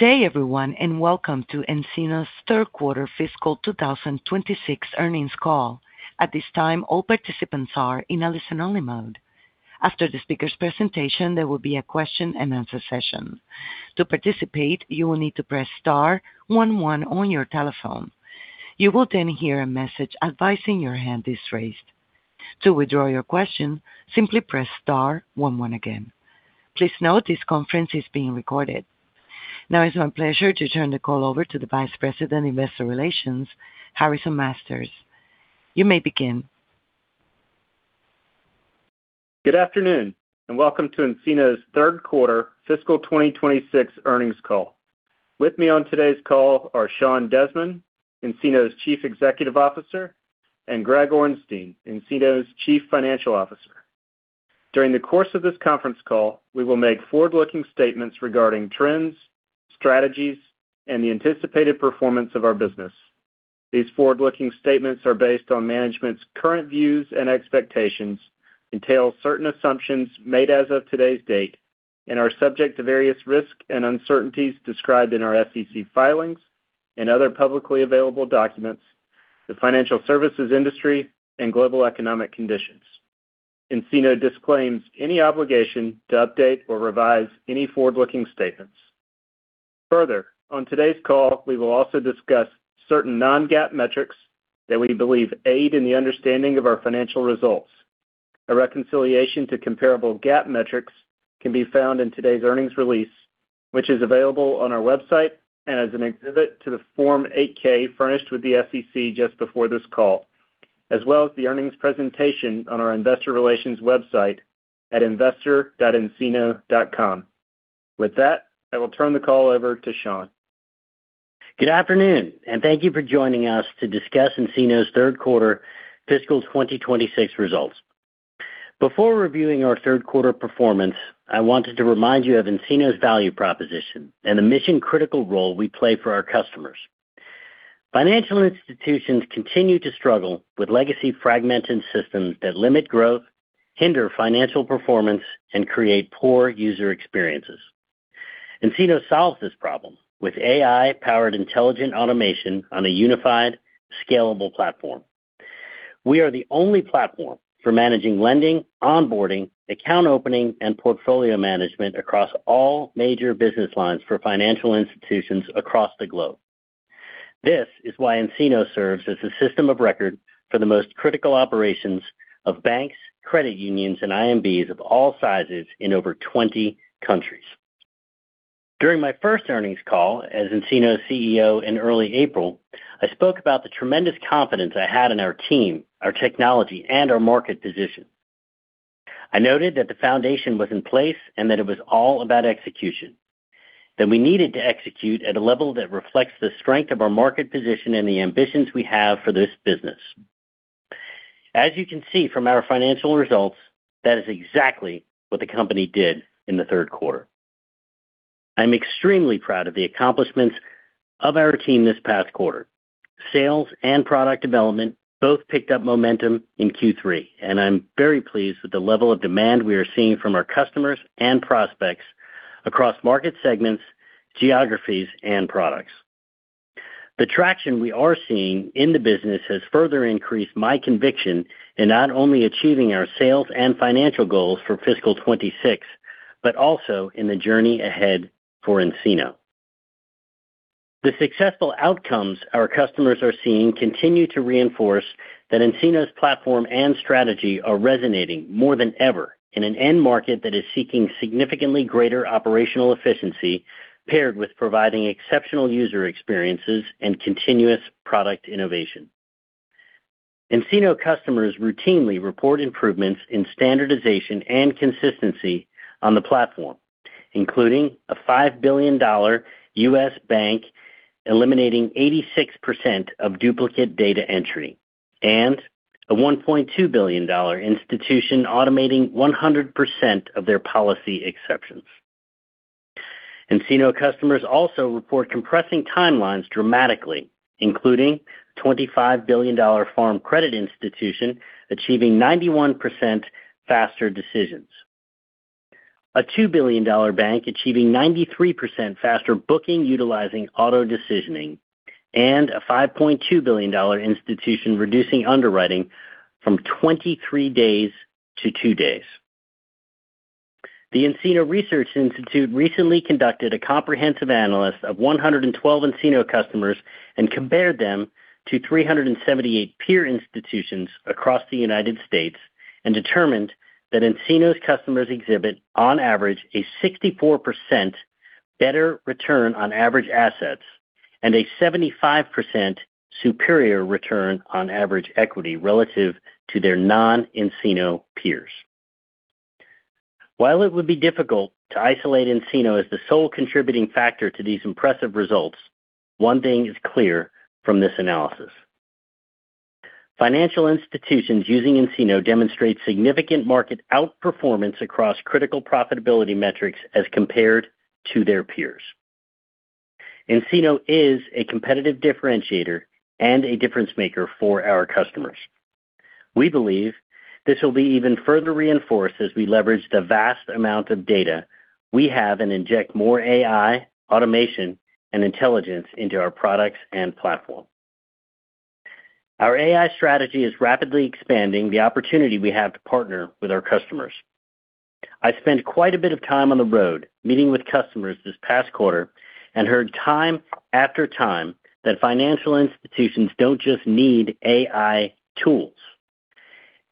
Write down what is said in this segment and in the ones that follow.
Good day, everyone, and welcome to nCino's third quarter fiscal 2026 earnings call. At this time, all participants are in a listen-only mode. After the speaker's presentation, there will be a question-and-answer session. To participate, you will need to press star 11 on your telephone. You will then hear a message advising your hand is raised. To withdraw your question, simply press star 11 again. Please note this conference is being recorded. Now, it's my pleasure to turn the call over to the Vice President, Investor Relations, Harrison Masters. You may begin. Good afternoon, and welcome to nCino's third quarter fiscal 2026 earnings call. With me on today's call are Sean Desmond, nCino's Chief Executive Officer, and Greg Orenstein, nCino's Chief Financial Officer. During the course of this conference call, we will make forward-looking statements regarding trends, strategies, and the anticipated performance of our business. These forward-looking statements are based on management's current views and expectations, entail certain assumptions made as of today's date, and are subject to various risks and uncertainties described in our SEC filings and other publicly available documents, the financial services industry, and global economic conditions. nCino disclaims any obligation to update or revise any forward-looking statements. Further, on today's call, we will also discuss certain non-GAAP metrics that we believe aid in the understanding of our financial results. A reconciliation to comparable GAAP metrics can be found in today's earnings release, which is available on our website and as an exhibit to the Form 8-K furnished with the SEC just before this call, as well as the earnings presentation on our Investor Relations website at investor.nCino.com. With that, I will turn the call over to Sean. Good afternoon, and thank you for joining us to discuss nCino's third quarter fiscal 2026 results. Before reviewing our third quarter performance, I wanted to remind you of nCino's value proposition and the mission-critical role we play for our customers. Financial institutions continue to struggle with legacy fragmented systems that limit growth, hinder financial performance, and create poor user experiences. nCino solves this problem with AI-powered intelligent automation on a unified, scalable platform. We are the only platform for managing lending, onboarding, account opening, and portfolio management across all major business lines for financial institutions across the globe. This is why nCino serves as the system of record for the most critical operations of banks, credit unions, and IMBs of all sizes in over 20 countries. During my first earnings call as nCino's CEO in early April, I spoke about the tremendous confidence I had in our team, our technology, and our market position. I noted that the foundation was in place and that it was all about execution, that we needed to execute at a level that reflects the strength of our market position and the ambitions we have for this business. As you can see from our financial results, that is exactly what the company did in the third quarter. I'm extremely proud of the accomplishments of our team this past quarter. Sales and product development both picked up momentum in Q3, and I'm very pleased with the level of demand we are seeing from our customers and prospects across market segments, geographies, and products. The traction we are seeing in the business has further increased my conviction in not only achieving our sales and financial goals for fiscal 2026, but also in the journey ahead for nCino. The successful outcomes our customers are seeing continue to reinforce that nCino's platform and strategy are resonating more than ever in an end market that is seeking significantly greater operational efficiency, paired with providing exceptional user experiences and continuous product innovation. nCino customers routinely report improvements in standardization and consistency on the platform, including a $5 billion U.S. bank eliminating 86% of duplicate data entry and a $1.2 billion institution automating 100% of their policy exceptions. nCino customers also report compressing timelines dramatically, including a $25 billion farm credit institution achieving 91% faster decisions, a $2 billion bank achieving 93% faster booking utilizing auto decisioning, and a $5.2 billion institution reducing underwriting from 23 days to two days. The nCino Research Institute recently conducted a comprehensive analysis of 112 nCino customers and compared them to 378 peer institutions across the United States and determined that nCino's customers exhibit, on average, a 64% better return on average assets and a 75% superior return on average equity relative to their non-nCino peers. While it would be difficult to isolate nCino as the sole contributing factor to these impressive results, one thing is clear from this analysis. Financial institutions using nCino demonstrate significant market outperformance across critical profitability metrics as compared to their peers. nCino is a competitive differentiator and a difference maker for our customers. We believe this will be even further reinforced as we leverage the vast amount of data we have and inject more AI, automation, and intelligence into our products and platform. Our AI strategy is rapidly expanding the opportunity we have to partner with our customers. I spent quite a bit of time on the road meeting with customers this past quarter and heard time after time that financial institutions don't just need AI tools.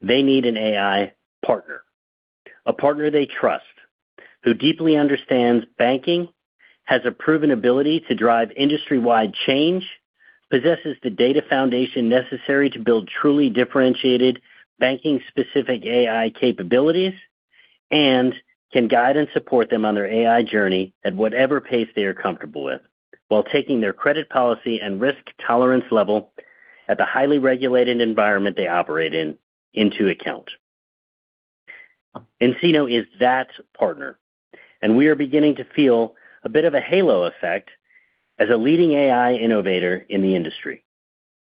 They need an AI partner, a partner they trust, who deeply understands banking, has a proven ability to drive industry-wide change, possesses the data foundation necessary to build truly differentiated banking-specific AI capabilities, and can guide and support them on their AI journey at whatever pace they are comfortable with, while taking their credit policy and risk tolerance level into account at the highly regulated environment they operate in. nCino is that partner, and we are beginning to feel a bit of a halo effect as a leading AI innovator in the industry.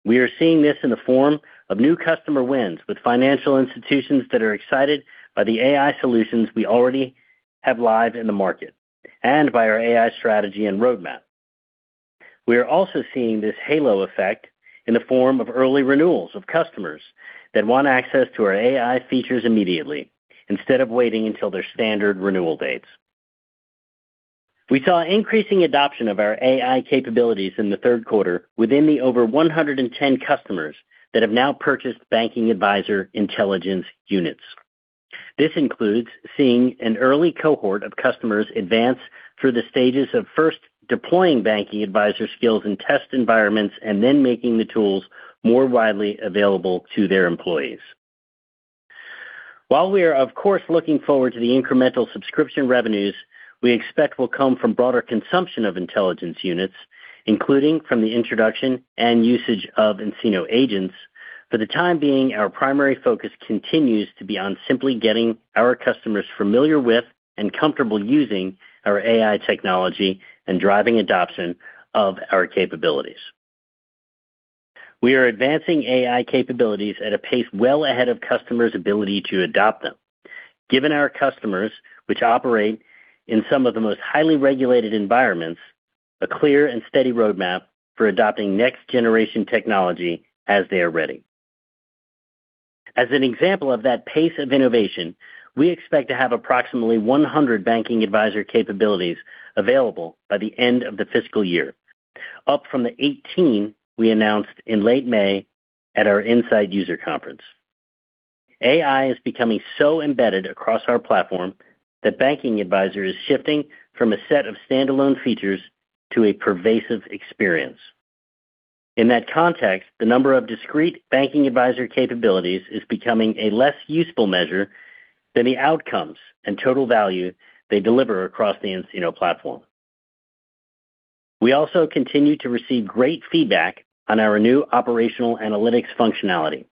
We are seeing this in the form of new customer wins with financial institutions that are excited by the AI solutions we already have live in the market and by our AI strategy and roadmap. We are also seeing this halo effect in the form of early renewals of customers that want access to our AI features immediately instead of waiting until their standard renewal dates. We saw increasing adoption of our AI capabilities in the third quarter within the over 110 customers that have now purchased Banking Advisor Intelligence Units. This includes seeing an early cohort of customers advance through the stages of first deploying Banking Advisor skills in test environments and then making the tools more widely available to their employees. While we are, of course, looking forward to the incremental subscription revenues we expect will come from broader consumption of Intelligence Units, including from the introduction and usage of nCino agents, for the time being, our primary focus continues to be on simply getting our customers familiar with and comfortable using our AI technology and driving adoption of our capabilities. We are advancing AI capabilities at a pace well ahead of customers' ability to adopt them, giving our customers, which operate in some of the most highly regulated environments, a clear and steady roadmap for adopting next-generation technology as they are ready. As an example of that pace of innovation, we expect to have approximately 100 Banking Advisor capabilities available by the end of the fiscal year, up from the 18 we announced in late May at our nSight user conference. AI is becoming so embedded across our platform that Banking Advisor is shifting from a set of standalone features to a pervasive experience. In that context, the number of discrete Banking Advisor capabilities is becoming a less useful measure than the outcomes and total value they deliver across the nCino platform. We also continue to receive great feedback on our new operational analytics functionality.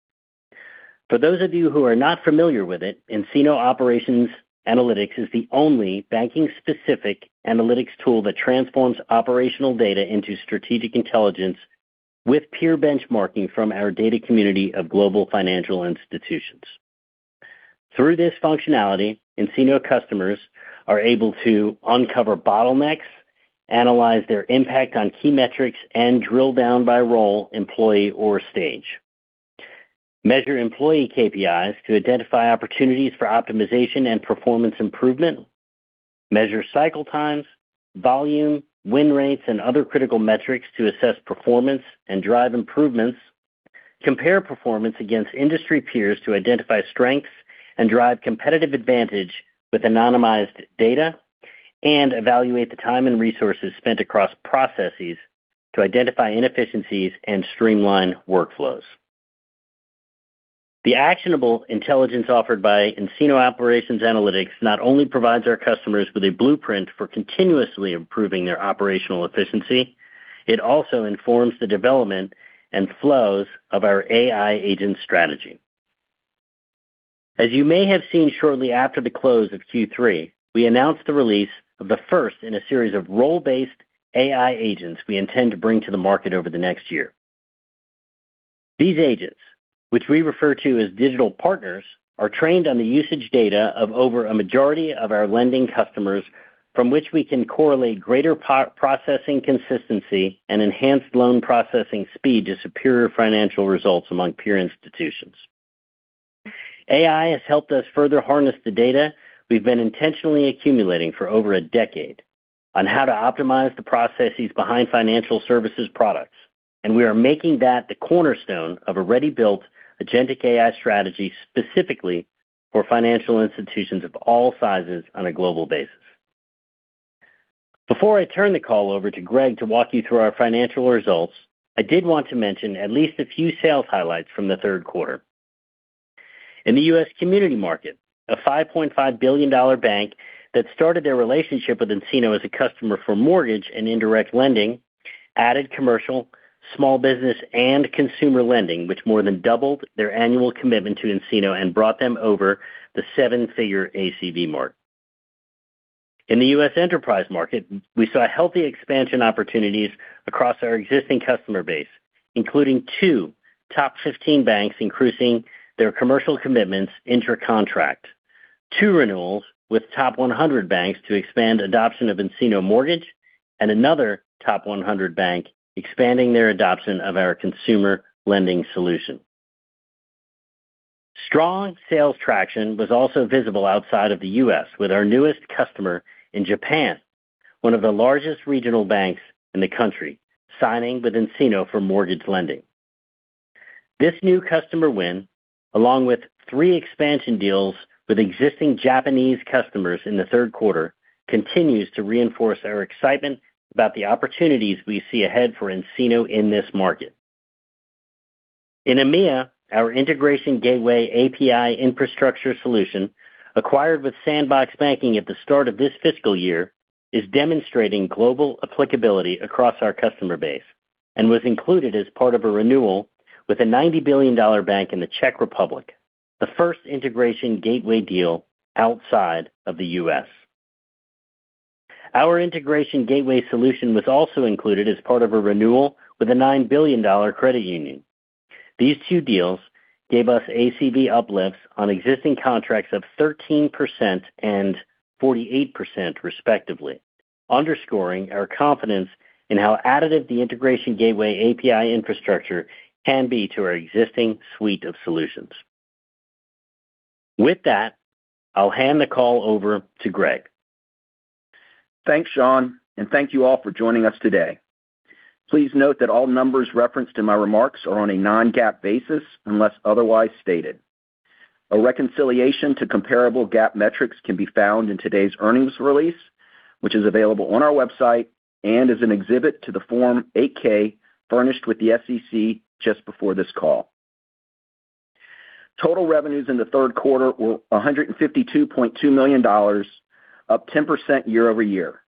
For those of you who are not familiar with it, nCino Operations Analytics is the only banking-specific analytics tool that transforms operational data into strategic intelligence with peer benchmarking from our data community of global financial institutions. Through this functionality, nCino customers are able to uncover bottlenecks, analyze their impact on key metrics, and drill down by role, employee, or stage. Measure employee KPIs to identify opportunities for optimization and performance improvement. Measure cycle times, volume, win rates, and other critical metrics to assess performance and drive improvements. Compare performance against industry peers to identify strengths and drive competitive advantage with anonymized data, and evaluate the time and resources spent across processes to identify inefficiencies and streamline workflows. The actionable intelligence offered by nCino Operations Analytics not only provides our customers with a blueprint for continuously improving their operational efficiency, it also informs the development and flows of our AI agent strategy. As you may have seen shortly after the close of Q3, we announced the release of the first in a series of role-based AI agents we intend to bring to the market over the next year. These agents, which we refer to as Digital Partners, are trained on the usage data of over a majority of our lending customers, from which we can correlate greater processing consistency and enhanced loan processing speed to superior financial results among peer institutions. AI has helped us further harness the data we've been intentionally accumulating for over a decade on how to optimize the processes behind financial services products, and we are making that the cornerstone of a ready-built agentic AI strategy specifically for financial institutions of all sizes on a global basis. Before I turn the call over to Greg to walk you through our financial results, I did want to mention at least a few sales highlights from the third quarter. In the U.S. community market, a $5.5 billion bank that started their relationship with nCino as a customer for mortgage and indirect lending added commercial, small business, and consumer lending, which more than doubled their annual commitment to nCino and brought them over the seven-figure ACV mark. In the U.S. enterprise market, we saw healthy expansion opportunities across our existing customer base, including two top 15 banks increasing their commercial commitments intra-contract, two renewals with top 100 banks to expand adoption of nCino Mortgage, and another top 100 bank expanding their adoption of our consumer lending solution. Strong sales traction was also visible outside of the U.S. with our newest customer in Japan, one of the largest regional banks in the country, signing with nCino for mortgage lending. This new customer win, along with three expansion deals with existing Japanese customers in the third quarter, continues to reinforce our excitement about the opportunities we see ahead for nCino in this market. In EMEA, our Integration Gateway API Infrastructure solution, acquired with Sandbox Banking at the start of this fiscal year, is demonstrating global applicability across our customer base and was included as part of a renewal with a $90 billion bank in the Czech Republic, the first Integration Gateway deal outside of the U.S. Our Integration Gateway solution was also included as part of a renewal with a $9 billion credit union. These two deals gave us ACV uplifts on existing contracts of 13% and 48%, respectively, underscoring our confidence in how additive the Integration Gateway API Infrastructure can be to our existing suite of solutions. With that, I'll hand the call over to Greg. Thanks, Sean, and thank you all for joining us today. Please note that all numbers referenced in my remarks are on a Non-GAAP basis unless otherwise stated. A reconciliation to comparable GAAP metrics can be found in today's earnings release, which is available on our website and is an exhibit to the Form 8-K furnished with the SEC just before this call. Total revenues in the third quarter were $152.2 million, up 10% year-over-year.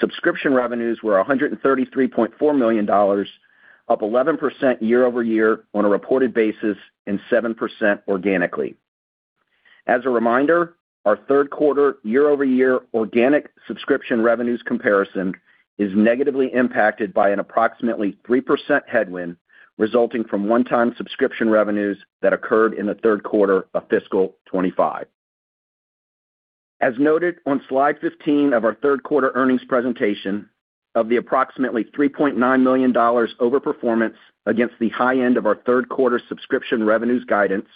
Subscription revenues were $133.4 million, up 11% year-over-year on a reported basis and 7% organically. As a reminder, our third quarter year-over-year organic subscription revenues comparison is negatively impacted by an approximately 3% headwind resulting from one-time subscription revenues that occurred in the third quarter of fiscal 2025. As noted on slide 15 of our third quarter earnings presentation, of the approximately $3.9 million overperformance against the high end of our third quarter subscription revenues guidance,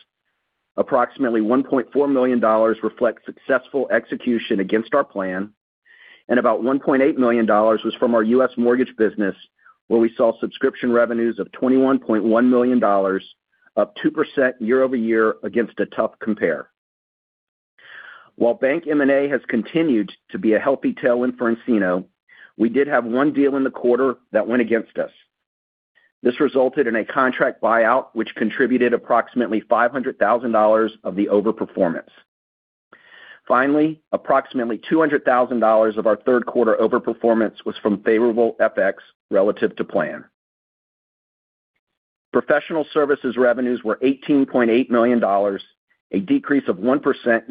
approximately $1.4 million reflects successful execution against our plan, and about $1.8 million was from our U.S. mortgage business, where we saw subscription revenues of $21.1 million, up 2% year-over-year against a tough compare. While Bank M&A has continued to be a healthy tailwind for nCino, we did have one deal in the quarter that went against us. This resulted in a contract buyout, which contributed approximately $500,000 of the overperformance. Finally, approximately $200,000 of our third quarter overperformance was from favorable FX relative to plan. Professional services revenues were $18.8 million, a decrease of 1%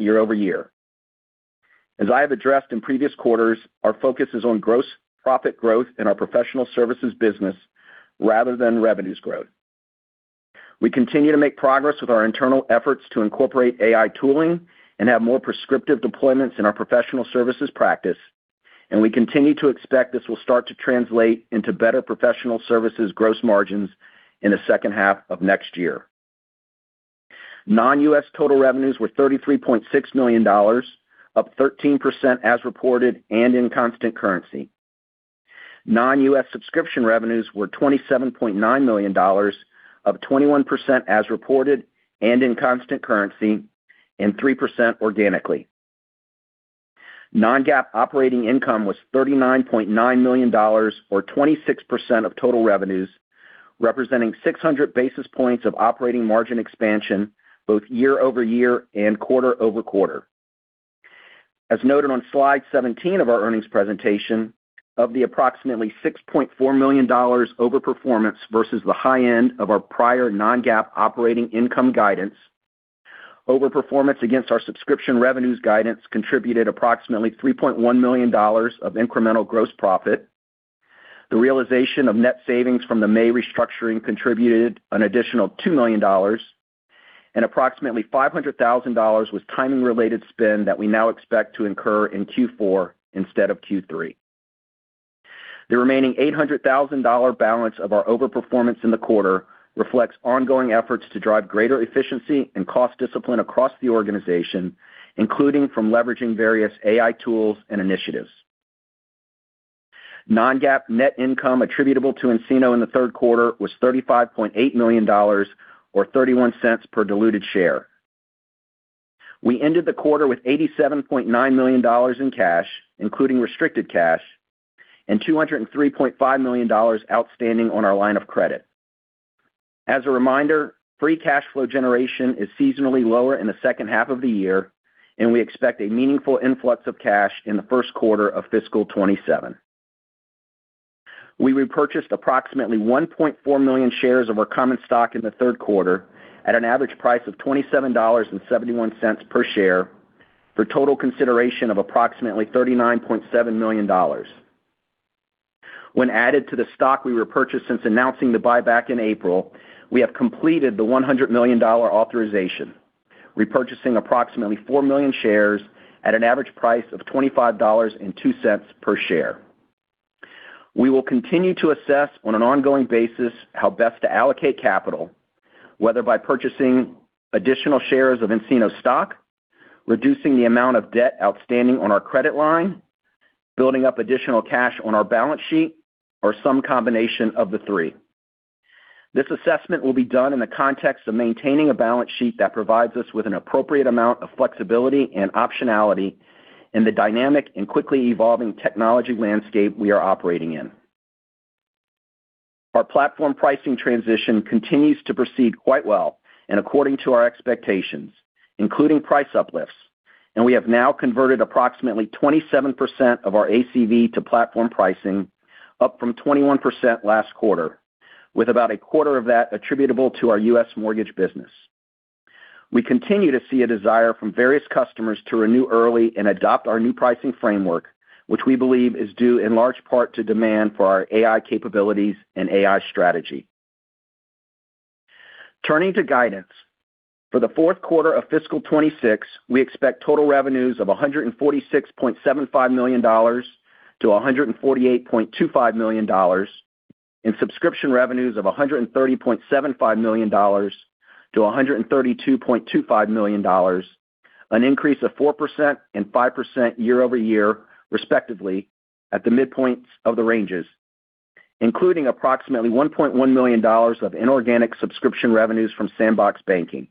year-over-year. As I have addressed in previous quarters, our focus is on gross profit growth in our professional services business rather than revenues growth. We continue to make progress with our internal efforts to incorporate AI tooling and have more prescriptive deployments in our professional services practice, and we continue to expect this will start to translate into better professional services gross margins in the second half of next year. Non-U.S. total revenues were $33.6 million, up 13% as reported and in constant currency. Non-U.S. subscription revenues were $27.9 million, up 21% as reported and in constant currency and 3% organically. Non-GAAP operating income was $39.9 million, or 26% of total revenues, representing 600 basis points of operating margin expansion both year-over-year and quarter over quarter. As noted on slide 17 of our earnings presentation, of the approximately $6.4 million overperformance versus the high end of our prior non-GAAP operating income guidance, overperformance against our subscription revenues guidance contributed approximately $3.1 million of incremental gross profit. The realization of net savings from the May restructuring contributed an additional $2 million, and approximately $500,000 was timing-related spend that we now expect to incur in Q4 instead of Q3. The remaining $800,000 balance of our overperformance in the quarter reflects ongoing efforts to drive greater efficiency and cost discipline across the organization, including from leveraging various AI tools and initiatives. Non-GAAP net income attributable to nCino in the third quarter was $35.8 million, or $0.31 per diluted share. We ended the quarter with $87.9 million in cash, including restricted cash, and $203.5 million outstanding on our line of credit. As a reminder, free cash flow generation is seasonally lower in the second half of the year, and we expect a meaningful influx of cash in the first quarter of fiscal 2027. We repurchased approximately 1.4 million shares of our common stock in the third quarter at an average price of $27.71 per share for total consideration of approximately $39.7 million. When added to the stock we repurchased since announcing the buyback in April, we have completed the $100 million authorization, repurchasing approximately 4 million shares at an average price of $25.02 per share. We will continue to assess on an ongoing basis how best to allocate capital, whether by purchasing additional shares of nCino stock, reducing the amount of debt outstanding on our credit line, building up additional cash on our balance sheet, or some combination of the three. This assessment will be done in the context of maintaining a balance sheet that provides us with an appropriate amount of flexibility and optionality in the dynamic and quickly evolving technology landscape we are operating in. Our platform pricing transition continues to proceed quite well and according to our expectations, including price uplifts, and we have now converted approximately 27% of our ACV to platform pricing, up from 21% last quarter, with about a quarter of that attributable to our U.S. mortgage business. We continue to see a desire from various customers to renew early and adopt our new pricing framework, which we believe is due in large part to demand for our AI capabilities and AI strategy. Turning to guidance, for the fourth quarter of fiscal 26, we expect total revenues of $146.75 million-$148.25 million and subscription revenues of $130.75 million-$132.25 million, an increase of 4% and 5% year-over-year, respectively, at the midpoints of the ranges, including approximately $1.1 million of inorganic subscription revenues from Sandbox Banking.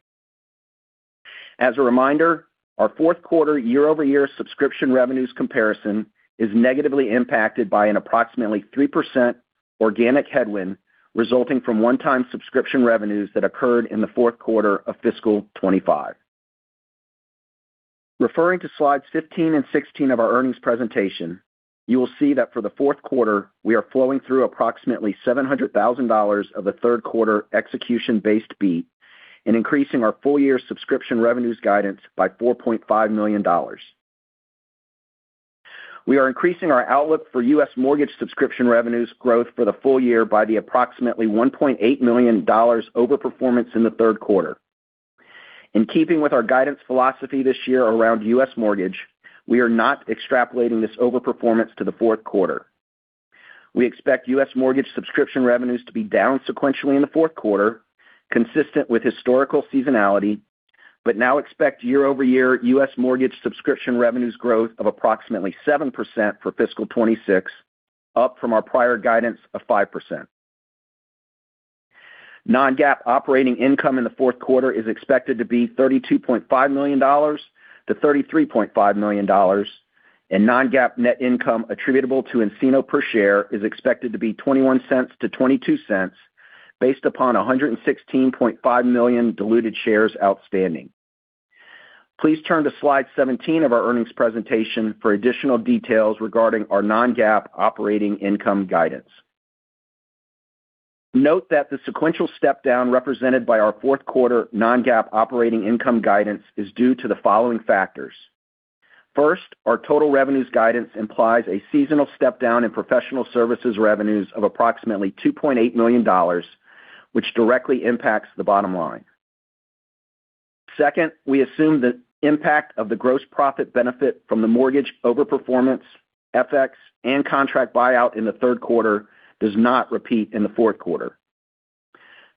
As a reminder, our fourth quarter year-over-year subscription revenues comparison is negatively impacted by an approximately 3% organic headwind resulting from one-time subscription revenues that occurred in the fourth quarter of fiscal 25. Referring to slides 15 and 16 of our earnings presentation, you will see that for the fourth quarter, we are flowing through approximately $700,000 of the third quarter execution-based beat and increasing our full-year subscription revenues guidance by $4.5 million. We are increasing our outlook for U.S. Mortgage subscription revenues growth for the full year by approximately $1.8 million overperformance in the third quarter. In keeping with our guidance philosophy this year around U.S. mortgage, we are not extrapolating this overperformance to the fourth quarter. We expect U.S. mortgage subscription revenues to be down sequentially in the fourth quarter, consistent with historical seasonality, but now expect year-over-year U.S. mortgage subscription revenues growth of approximately 7% for fiscal 2026, up from our prior guidance of 5%. Non-GAAP operating income in the fourth quarter is expected to be $32.5 million-$33.5 million, and non-GAAP net income attributable to nCino per share is expected to be $0.21-$0.22 based upon 116.5 million diluted shares outstanding. Please turn to slide 17 of our earnings presentation for additional details regarding our non-GAAP operating income guidance. Note that the sequential step-down represented by our fourth quarter non-GAAP operating income guidance is due to the following factors. First, our total revenues guidance implies a seasonal step-down in professional services revenues of approximately $2.8 million, which directly impacts the bottom line. Second, we assume the impact of the gross profit benefit from the mortgage overperformance, FX, and contract buyout in the third quarter does not repeat in the fourth quarter.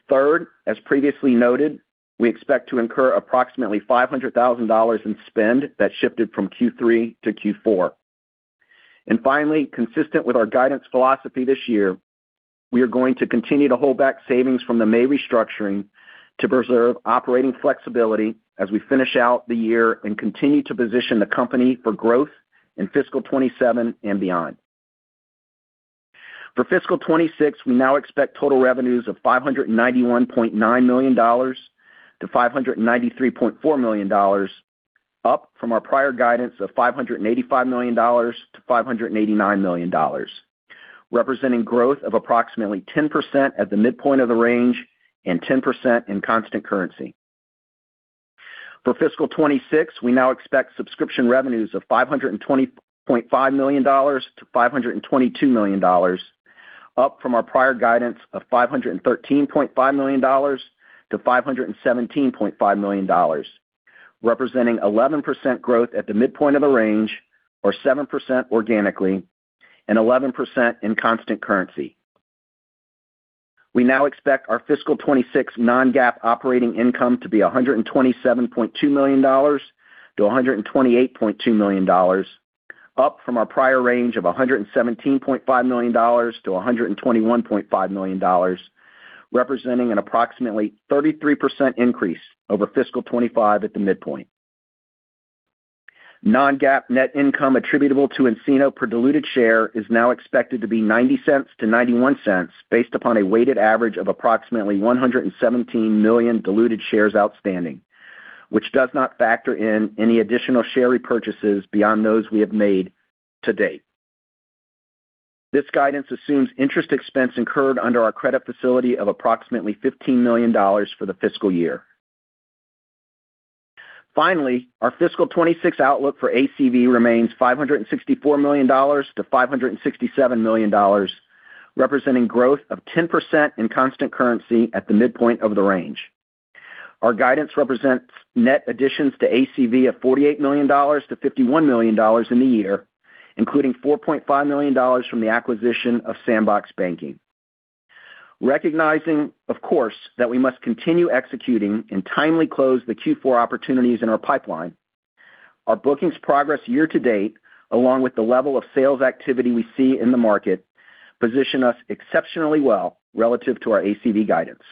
Third, as previously noted, we expect to incur approximately $500,000 in spend that shifted from Q3 to Q4. And finally, consistent with our guidance philosophy this year, we are going to continue to hold back savings from the May restructuring to preserve operating flexibility as we finish out the year and continue to position the company for growth in fiscal 27 and beyond. For fiscal 26, we now expect total revenues of $591.9-$593.4 million, up from our prior guidance of $585-$589 million, representing growth of approximately 10% at the midpoint of the range and 10% in constant currency. For fiscal 26, we now expect subscription revenues of $520.5-$522 million, up from our prior guidance of $513.5-$517.5 million, representing 11% growth at the midpoint of the range, or 7% organically, and 11% in constant currency. We now expect our fiscal 26 non-GAAP operating income to be $127.2-$128.2 million, up from our prior range of $117.5-$121.5 million, representing an approximately 33% increase over fiscal 25 at the midpoint. Non-GAAP net income attributable to nCino per diluted share is now expected to be $0.90-$0.91 based upon a weighted average of approximately 117 million diluted shares outstanding, which does not factor in any additional share repurchases beyond those we have made to date. This guidance assumes interest expense incurred under our credit facility of approximately $15 million for the fiscal year. Finally, our fiscal 2026 outlook for ACV remains $564 million-$567 million, representing growth of 10% in constant currency at the midpoint of the range. Our guidance represents net additions to ACV of $48 million-$51 million in the year, including $4.5 million from the acquisition of Sandbox Banking. Recognizing, of course, that we must continue executing and timely close the Q4 opportunities in our pipeline, our bookings progress year to date, along with the level of sales activity we see in the market, position us exceptionally well relative to our ACV guidance.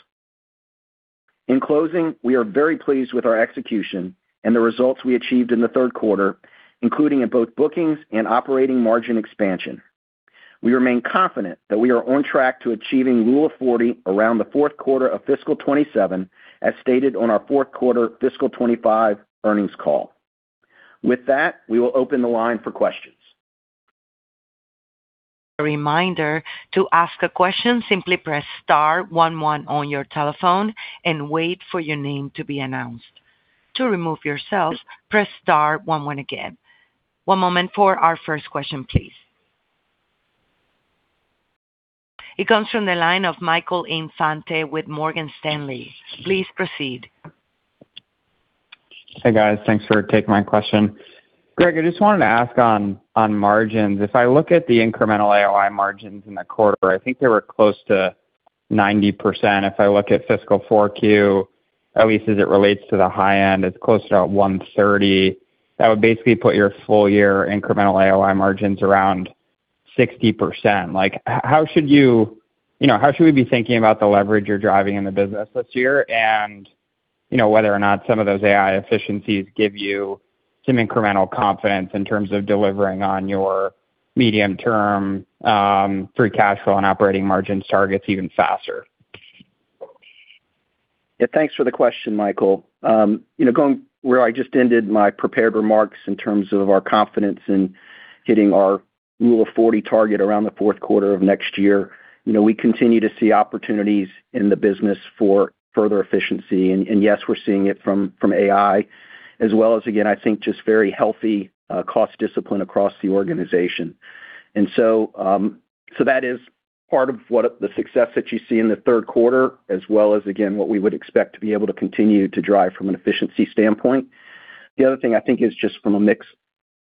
In closing, we are very pleased with our execution and the results we achieved in the third quarter, including in both bookings and operating margin expansion. We remain confident that we are on track to achieving Rule of 40 around the fourth quarter of fiscal 2027, as stated on our fourth quarter fiscal 2025 earnings call. With that, we will open the line for questions. A reminder to ask a question, simply press star 11 on your telephone and wait for your name to be announced. To remove yourself, press star 11 again. One moment for our first question, please. It comes from the line of Michael Infante with Morgan Stanley. Please proceed. Hey, guys. Thanks for taking my question. Greg, I just wanted to ask on margins. If I look at the incremental AOI margins in the quarter, I think they were close to 90%. If I look at fiscal 4Q, at least as it relates to the high end, it's close to 130%. That would basically put your full-year incremental AOI margins around 60%. How should we be thinking about the leverage you're driving in the business this year and whether or not some of those AI efficiencies give you some incremental confidence in terms of delivering on your medium-term free cash flow and operating margins targets even faster? Yeah, thanks for the question, Michael. Going where I just ended my prepared remarks in terms of our confidence in hitting our Rule of 40 target around the fourth quarter of next year, we continue to see opportunities in the business for further efficiency. And yes, we're seeing it from AI, as well as, again, I think, just very healthy cost discipline across the organization. And so that is part of the success that you see in the third quarter, as well as, again, what we would expect to be able to continue to drive from an efficiency standpoint. The other thing I think is just from a mix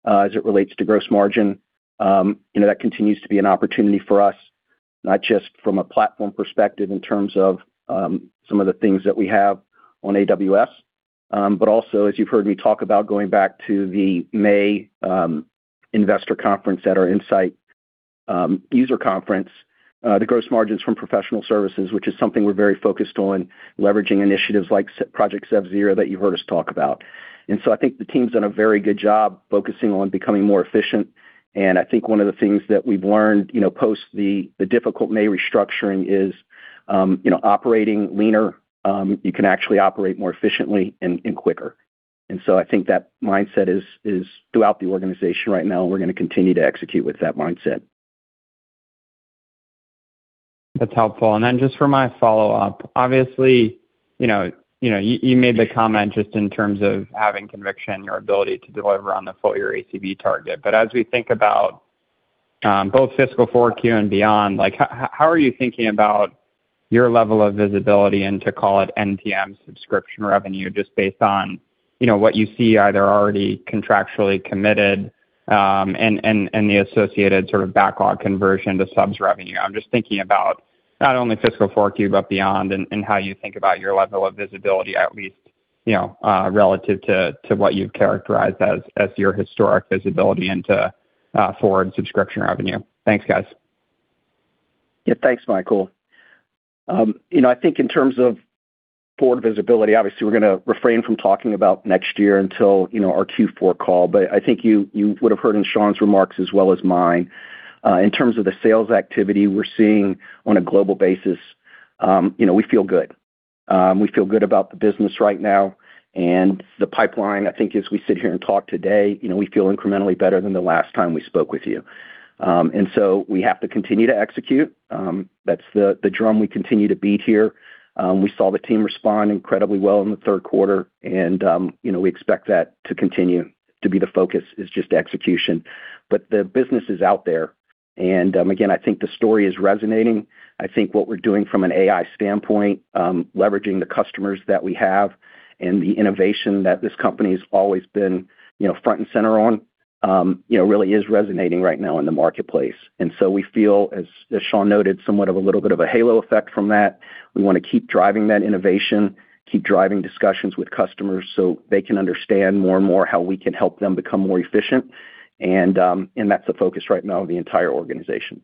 as it relates to gross margin, that continues to be an opportunity for us, not just from a platform perspective in terms of some of the things that we have on AWS, but also, as you've heard me talk about, going back to the May investor conference at our nSight user conference, the gross margins from professional services, which is something we're very focused on leveraging initiatives like Project SevZero that you've heard us talk about. And so I think the team's done a very good job focusing on becoming more efficient. And I think one of the things that we've learned post the difficult May restructuring is operating leaner. You can actually operate more efficiently and quicker. And so I think that mindset is throughout the organization right now, and we're going to continue to execute with that mindset. That's helpful. And then just for my follow-up, obviously, you made the comment just in terms of having conviction, your ability to deliver on the full-year ACV target. But as we think about both fiscal 4Q and beyond, how are you thinking about your level of visibility into, call it, NTM subscription revenue, just based on what you see either already contractually committed and the associated sort of backlog conversion to subs revenue? I'm just thinking about not only fiscal 4Q but beyond and how you think about your level of visibility, at least relative to what you've characterized as your historic visibility into forward subscription revenue. Thanks, guys. Yeah, thanks, Michael. I think in terms of forward visibility, obviously, we're going to refrain from talking about next year until our Q4 call, but I think you would have heard in Sean's remarks as well as mine. In terms of the sales activity we're seeing on a global basis, we feel good. We feel good about the business right now, and the pipeline, I think, as we sit here and talk today, we feel incrementally better than the last time we spoke with you, and so we have to continue to execute. That's the drum we continue to beat here. We saw the team respond incredibly well in the third quarter, and we expect that to continue to be the focus is just execution, but the business is out there, and again, I think the story is resonating. I think what we're doing from an AI standpoint, leveraging the customers that we have and the innovation that this company has always been front and center on, really is resonating right now in the marketplace. And so we feel, as Sean noted, somewhat of a little bit of a halo effect from that. We want to keep driving that innovation, keep driving discussions with customers so they can understand more and more how we can help them become more efficient. And that's the focus right now of the entire organization.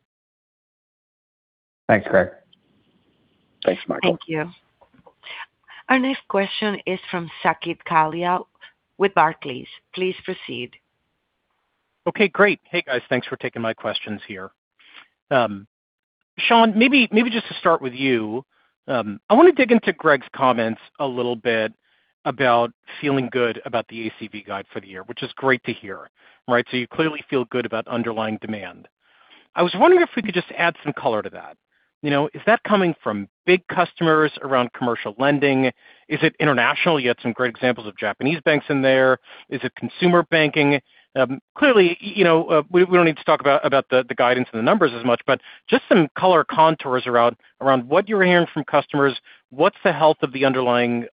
Thanks, Greg. Thanks, Michael. Thank you. Our next question is from Saket Kalia with Barclays. Please proceed. Okay, great. Hey, guys. Thanks for taking my questions here. Sean, maybe just to start with you, I want to dig into Greg's comments a little bit about feeling good about the ACV guide for the year, which is great to hear. Right? So you clearly feel good about underlying demand. I was wondering if we could just add some color to that. Is that coming from big customers around commercial lending? Is it international? You had some great examples of Japanese banks in there. Is it consumer banking? Clearly, we don't need to talk about the guidance and the numbers as much, but just some color contours around what you're hearing from customers, what's the health of the underlying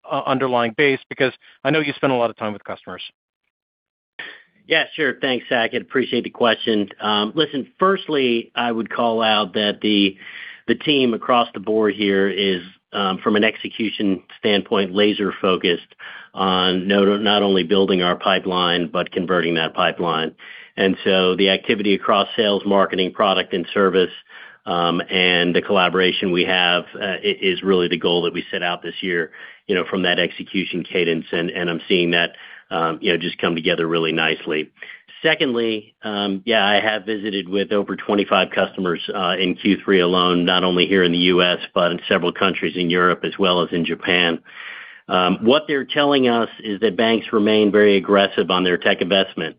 base, because I know you spend a lot of time with customers. Yeah, sure. Thanks, Saket. I appreciate the question. Listen, firstly, I would call out that the team across the board here is, from an execution standpoint, laser-focused on not only building our pipeline but converting that pipeline. And so the activity across sales, marketing, product, and service, and the collaboration we have is really the goal that we set out this year from that execution cadence. And I'm seeing that just come together really nicely. Secondly, yeah, I have visited with over 25 customers in Q3 alone, not only here in the U.S. but in several countries in Europe, as well as in Japan. What they're telling us is that banks remain very aggressive on their tech investment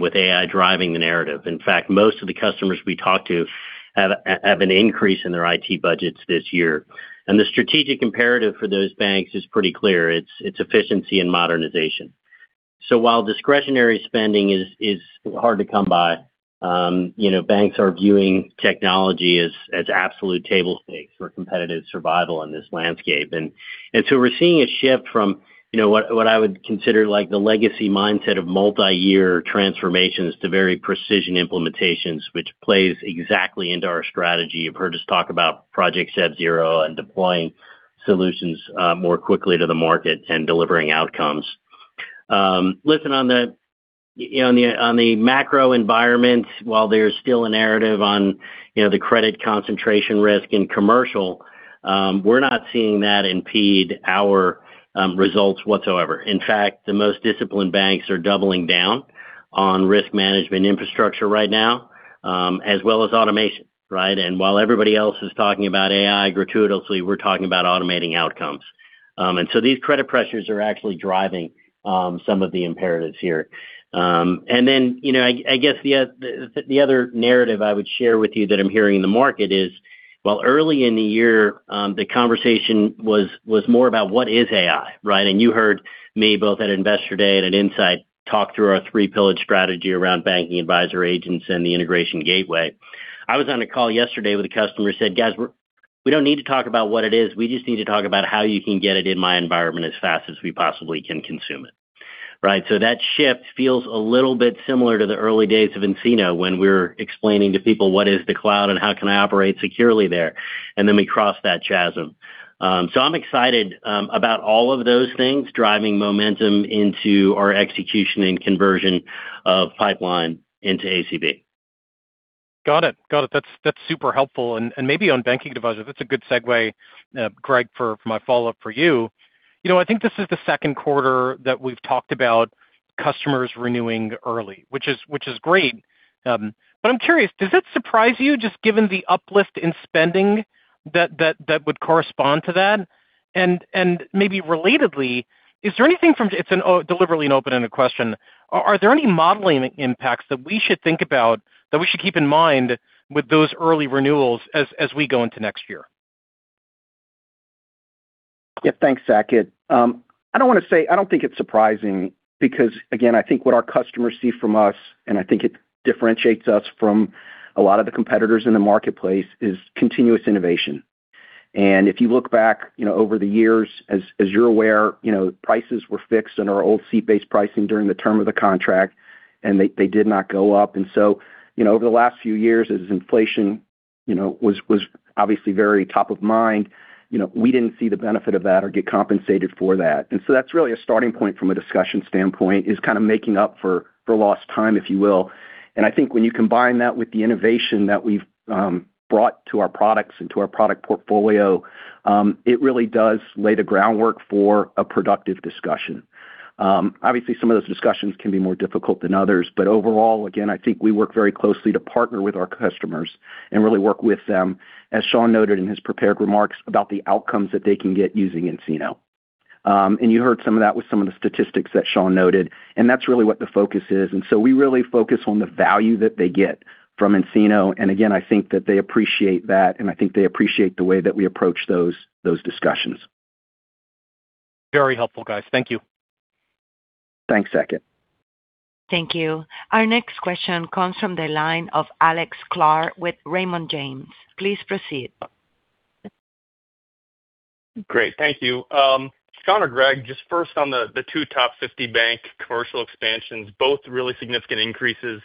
with AI driving the narrative. In fact, most of the customers we talked to have an increase in their IT budgets this year. And the strategic imperative for those banks is pretty clear. It's efficiency and modernization. So while discretionary spending is hard to come by, banks are viewing technology as absolute table stakes for competitive survival in this landscape. And so we're seeing a shift from what I would consider the legacy mindset of multi-year transformations to very precision implementations, which plays exactly into our strategy. You've heard us talk about Project SevZero and deploying solutions more quickly to the market and delivering outcomes. Listen, on the macro environment, while there's still a narrative on the credit concentration risk in commercial, we're not seeing that impede our results whatsoever. In fact, the most disciplined banks are doubling down on risk management infrastructure right now, as well as automation. Right? And while everybody else is talking about AI gratuitously, we're talking about automating outcomes. And so these credit pressures are actually driving some of the imperatives here. And then I guess the other narrative I would share with you that I'm hearing in the market is, well, early in the year, the conversation was more about what is AI. Right? And you heard me both at Investor Day and at nSight talk through our three-pillar strategy around Banking Advisor agents and the Integration Gateway. I was on a call yesterday with a customer who said, "Guys, we don't need to talk about what it is. We just need to talk about how you can get it in my environment as fast as we possibly can consume it." Right? So that shift feels a little bit similar to the early days of nCino when we were explaining to people what is the cloud and how can I operate securely there. And then we crossed that chasm. So I'm excited about all of those things driving momentum into our execution and conversion of pipeline into ACV. Got it. Got it. That's super helpful. And maybe on Banking Advisor, that's a good segue, Greg, for my follow-up for you. I think this is the second quarter that we've talked about customers renewing early, which is great. But I'm curious, does that surprise you, just given the uplift in spending that would correspond to that? And maybe relatedly, is there anything from, it's deliberately an open-ended question, are there any modeling impacts that we should think about, that we should keep in mind with those early renewals as we go into next year? Yeah, thanks, Saket. I don't want to say I don't think it's surprising because, again, I think what our customers see from us, and I think it differentiates us from a lot of the competitors in the marketplace, is continuous innovation. And if you look back over the years, as you're aware, prices were fixed under our old seat-based pricing during the term of the contract, and they did not go up. And so over the last few years, as inflation was obviously very top of mind, we didn't see the benefit of that or get compensated for that. And so that's really a starting point from a discussion standpoint, is kind of making up for lost time, if you will. And I think when you combine that with the innovation that we've brought to our products and to our product portfolio, it really does lay the groundwork for a productive discussion. Obviously, some of those discussions can be more difficult than others. But overall, again, I think we work very closely to partner with our customers and really work with them, as Sean noted in his prepared remarks, about the outcomes that they can get using nCino. And you heard some of that with some of the statistics that Sean noted. And that's really what the focus is. And so we really focus on the value that they get from nCino. And again, I think that they appreciate that, and I think they appreciate the way that we approach those discussions. Very helpful, guys. Thank you. Thanks, Saket. Thank you. Our next question comes from the line of Alex Sklar with Raymond James. Please proceed. Great. Thank you. Sean or Greg, just first on the two top 50 bank commercial expansions, both really significant increases.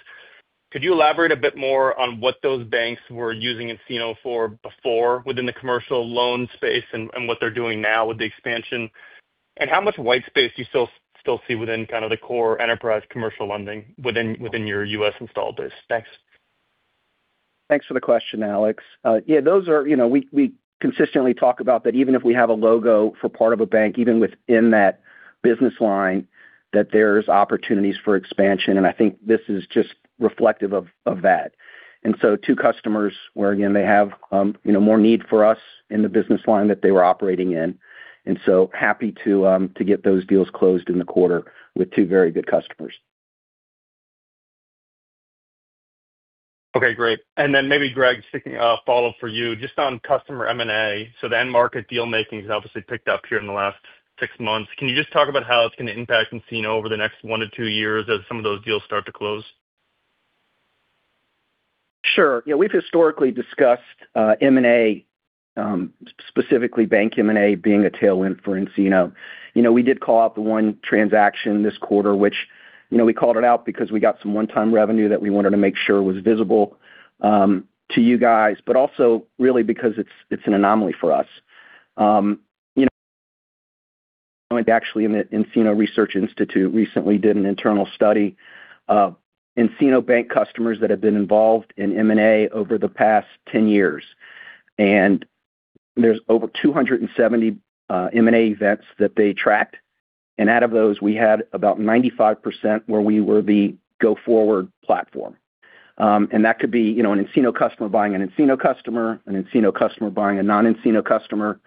Could you elaborate a bit more on what those banks were using nCino for before within the commercial loan space and what they're doing now with the expansion? And how much white space do you still see within kind of the core enterprise commercial lending within your U.S. installed base? Thanks. Thanks for the question, Alex. Yeah, those are, we consistently talk about that even if we have a logo for part of a bank, even within that business line, that there's opportunities for expansion. And I think this is just reflective of that. And so two customers where, again, they have more need for us in the business line that they were operating in. And so happy to get those deals closed in the quarter with two very good customers. Okay, great. And then maybe, Greg, sticking a follow-up for you just on customer M&A. So the end market deal-making has obviously picked up here in the last six months. Can you just talk about how it's going to impact nCino over the next one to two years as some of those deals start to close? Sure. Yeah, we've historically discussed M&A, specifically bank M&A, being a tailwind for nCino. We did call out the one transaction this quarter, which we called it out because we got some one-time revenue that we wanted to make sure was visible to you guys, but also really because it's an anomaly for us. We actually in the nCino Research Institute recently did an internal study of nCino bank customers that have been involved in M&A over the past 10 years, and there's over 270 M&A events that they tracked, and out of those, we had about 95% where we were the go-forward platform, and that could be an nCino customer buying an nCino customer, an nCino customer buying a non-nCino customer,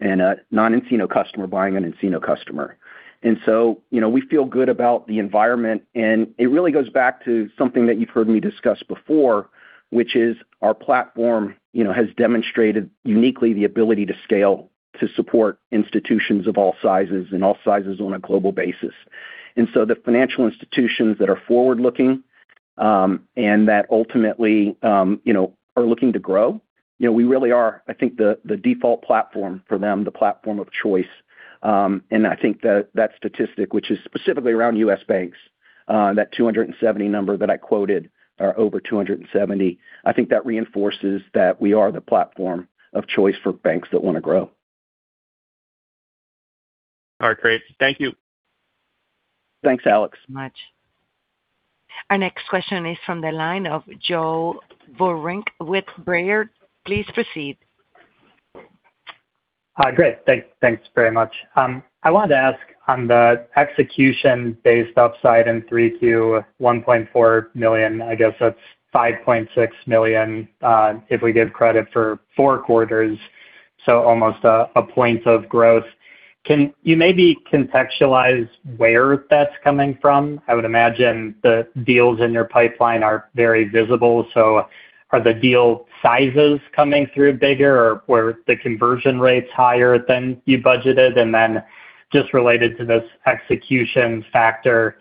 and a non-nCino customer buying an nCino customer, and so we feel good about the environment. It really goes back to something that you've heard me discuss before, which is our platform has demonstrated uniquely the ability to scale to support institutions of all sizes and all sizes on a global basis. The financial institutions that are forward-looking and that ultimately are looking to grow, we really are, I think, the default platform for them, the platform of choice. I think that statistic, which is specifically around U.S. banks, that 270 number that I quoted are over 270, I think that reinforces that we are the platform of choice for banks that want to grow. All right, great. Thank you. Thanks, Alex. Thanks so much. Our next question is from the line of Joe Vruwink with Baird. Please proceed. Hi, Greg. Thanks very much. I wanted to ask on the execution-based upside in 3Q, $1.4 million. I guess that's $5.6 million if we give credit for four quarters, so almost a point of growth. Can you maybe contextualize where that's coming from? I would imagine the deals in your pipeline are very visible. So are the deal sizes coming through bigger or were the conversion rates higher than you budgeted? And then just related to this execution factor,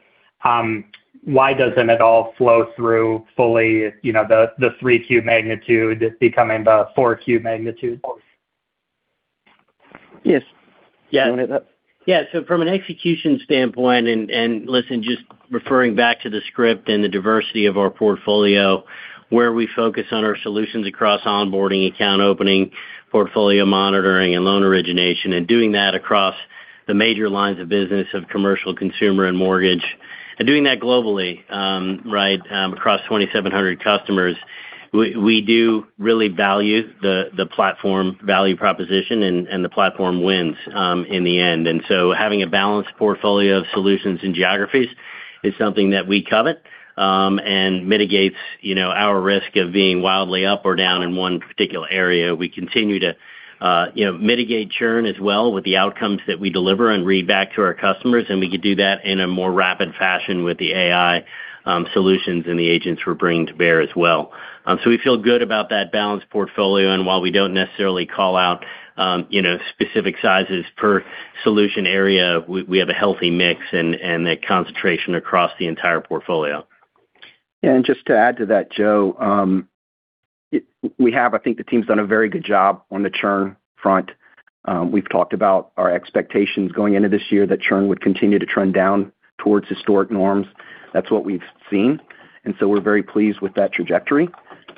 why doesn't it all flow through fully, the 3Q magnitude becoming the 4Q magnitude? Yes. Yeah. Yeah. So from an execution standpoint, and listen, just referring back to the script and the diversity of our portfolio, where we focus on our solutions across onboarding, account opening, portfolio monitoring, and loan origination, and doing that across the major lines of business of commercial, consumer, and mortgage, and doing that globally, right, across 2,700 customers, we do really value the platform value proposition, and the platform wins in the end. And so having a balanced portfolio of solutions and geographies is something that we covet and mitigates our risk of being wildly up or down in one particular area. We continue to mitigate churn as well with the outcomes that we deliver and read back to our customers. And we could do that in a more rapid fashion with the AI solutions and the agents we're bringing to bear as well. So we feel good about that balanced portfolio. And while we don't necessarily call out specific sizes per solution area, we have a healthy mix and that concentration across the entire portfolio. Yeah. And just to add to that, Joe, we have, I think the team's done a very good job on the churn front. We've talked about our expectations going into this year that churn would continue to trend down towards historic norms. That's what we've seen. And so we're very pleased with that trajectory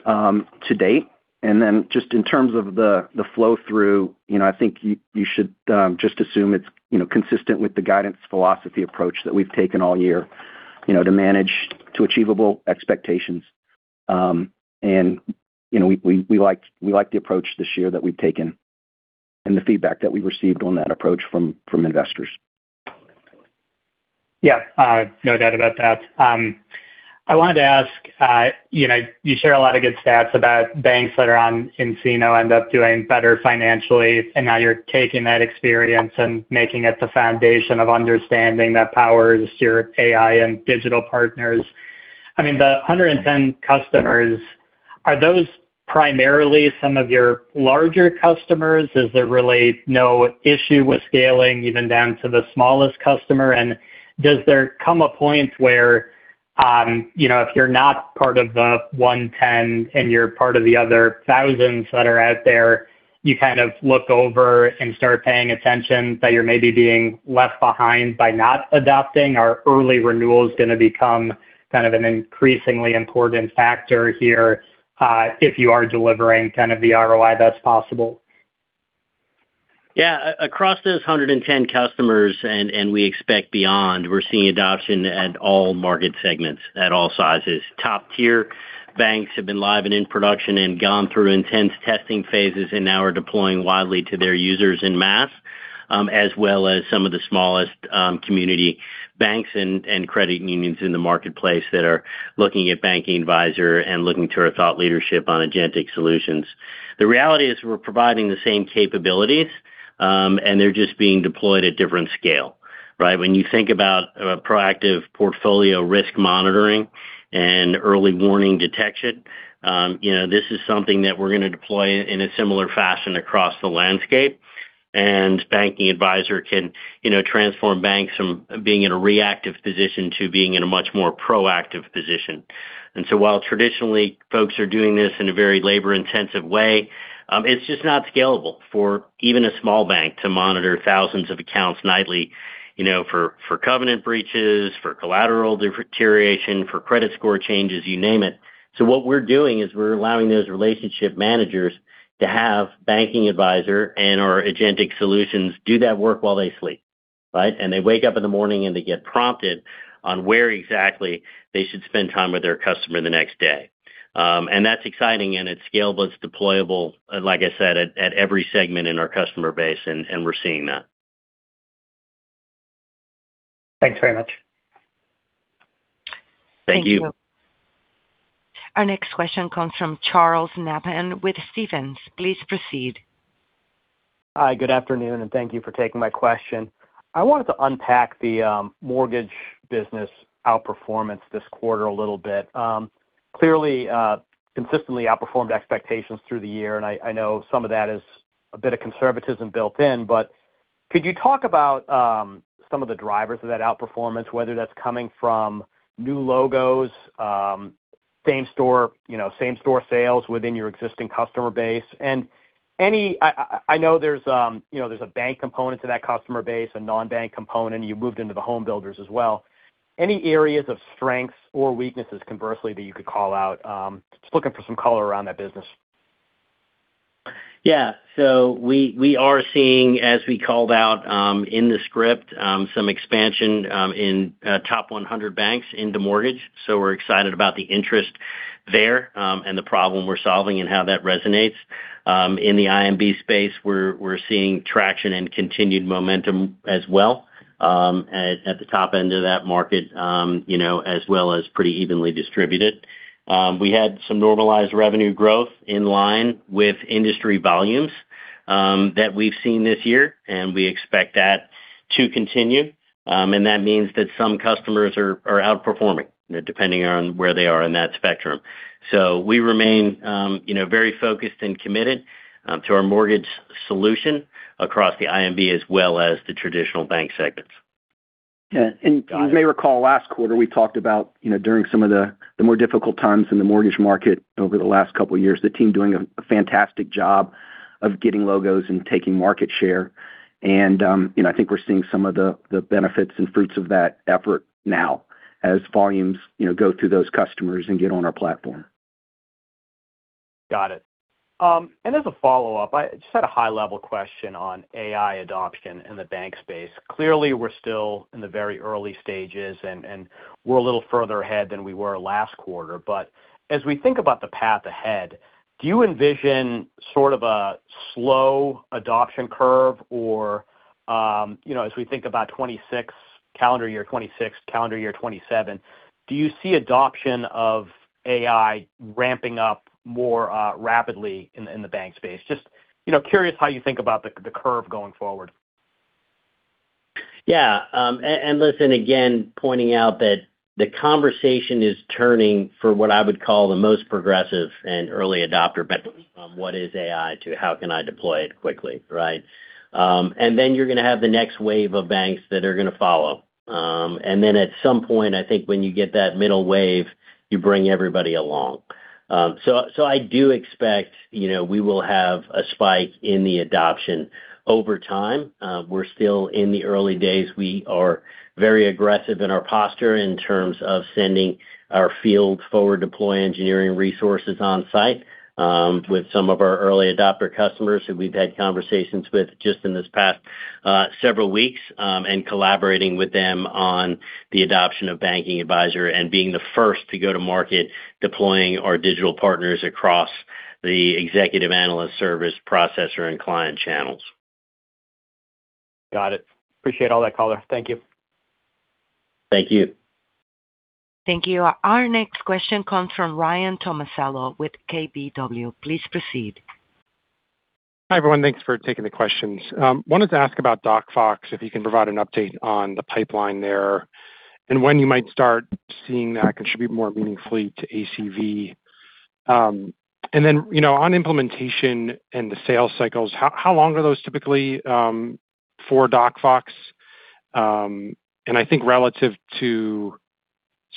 to date. And then just in terms of the flow through, I think you should just assume it's consistent with the guidance philosophy approach that we've taken all year to manage to achievable expectations. And we like the approach this year that we've taken and the feedback that we've received on that approach from investors. Yeah. No doubt about that. I wanted to ask, you share a lot of good stats about banks that are on nCino end up doing better financially. And now you're taking that experience and making it the foundation of understanding that powers your AI and Digital Partners. I mean, the 110 customers, are those primarily some of your larger customers? Is there really no issue with scaling even down to the smallest customer? And does there come a point where if you're not part of the 110 and you're part of the other thousands that are out there, you kind of look over and start paying attention that you're maybe being left behind by not adopting? Are early renewals going to become kind of an increasingly important factor here if you are delivering kind of the ROI that's possible? Yeah. Across those 110 customers, and we expect beyond, we're seeing adoption at all market segments, at all sizes. Top-tier banks have been live and in production and gone through intense testing phases and now are deploying widely to their users en masse, as well as some of the smallest community banks and credit unions in the marketplace that are looking at Banking Advisor and looking to our thought leadership on agentic solutions. The reality is we're providing the same capabilities, and they're just being deployed at different scale. Right? When you think about proactive portfolio risk monitoring and early warning detection, this is something that we're going to deploy in a similar fashion across the landscape, and Banking Advisor can transform banks from being in a reactive position to being in a much more proactive position. And so while traditionally folks are doing this in a very labor-intensive way, it's just not scalable for even a small bank to monitor thousands of accounts nightly for covenant breaches, for collateral deterioration, for credit score changes, you name it. So what we're doing is we're allowing those relationship managers to have Banking Advisor and our agentic solutions do that work while they sleep. Right? And they wake up in the morning and they get prompted on where exactly they should spend time with their customer the next day. And that's exciting. And it's scalable. It's deployable, like I said, at every segment in our customer base. And we're seeing that. Thanks very much. Thank you. Thank you. Our next question comes from Charles Nabhan with Stephens. Please proceed. Hi. Good afternoon. And thank you for taking my question. I wanted to unpack the mortgage business outperformance this quarter a little bit. Clearly, consistently outperformed expectations through the year. And I know some of that is a bit of conservatism built in. But could you talk about some of the drivers of that outperformance, whether that's coming from new logos, same-store sales within your existing customer base? And I know there's a bank component to that customer base, a non-bank component. You moved into the homebuilders as well. Any areas of strengths or weaknesses conversely that you could call out? Just looking for some color around that business. Yeah. So we are seeing, as we called out in the script, some expansion in top 100 banks into mortgage. So we're excited about the interest there and the problem we're solving and how that resonates. In the IMB space, we're seeing traction and continued momentum as well at the top end of that market, as well as pretty evenly distributed. We had some normalized revenue growth in line with industry volumes that we've seen this year, and we expect that to continue. And that means that some customers are outperforming, depending on where they are in that spectrum, so we remain very focused and committed to our mortgage solution across the IMB as well as the traditional bank segments. Yeah, and as you may recall, last quarter, we talked about during some of the more difficult times in the mortgage market over the last couple of years, the team doing a fantastic job of getting logos and taking market share. And I think we're seeing some of the benefits and fruits of that effort now as volumes go through those customers and get on our platform. Got it. And as a follow-up, I just had a high-level question on AI adoption in the bank space. Clearly, we're still in the very early stages, and we're a little further ahead than we were last quarter. But as we think about the path ahead, do you envision sort of a slow adoption curve? Or as we think about calendar year 2026, calendar year 2027, do you see adoption of AI ramping up more rapidly in the bank space? Just curious how you think about the curve going forward. Yeah. And listen, again, pointing out that the conversation is turning for what I would call the most progressive and early adopter, but from what is AI to how can I deploy it quickly, right? And then you're going to have the next wave of banks that are going to follow. And then at some point, I think when you get that middle wave, you bring everybody along. So I do expect we will have a spike in the adoption over time. We're still in the early days. We are very aggressive in our posture in terms of sending our field forward-deployed engineering resources on-site with some of our early-adopter customers that we've had conversations with just in this past several weeks and collaborating with them on the adoption of Banking Advisor and being the first to go to market deploying our Digital Partners across the executive, analyst, service, processor, and client channels. Got it. Appreciate all that, caller. Thank you. Thank you. Thank you. Our next question comes from Ryan Tomasello with KBW. Please proceed. Hi everyone. Thanks for taking the questions. I wanted to ask about DocFox, if you can provide an update on the pipeline there and when you might start seeing that contribute more meaningfully to ACV. And then on implementation and the sales cycles, how long are those typically for DocFox? And I think relative to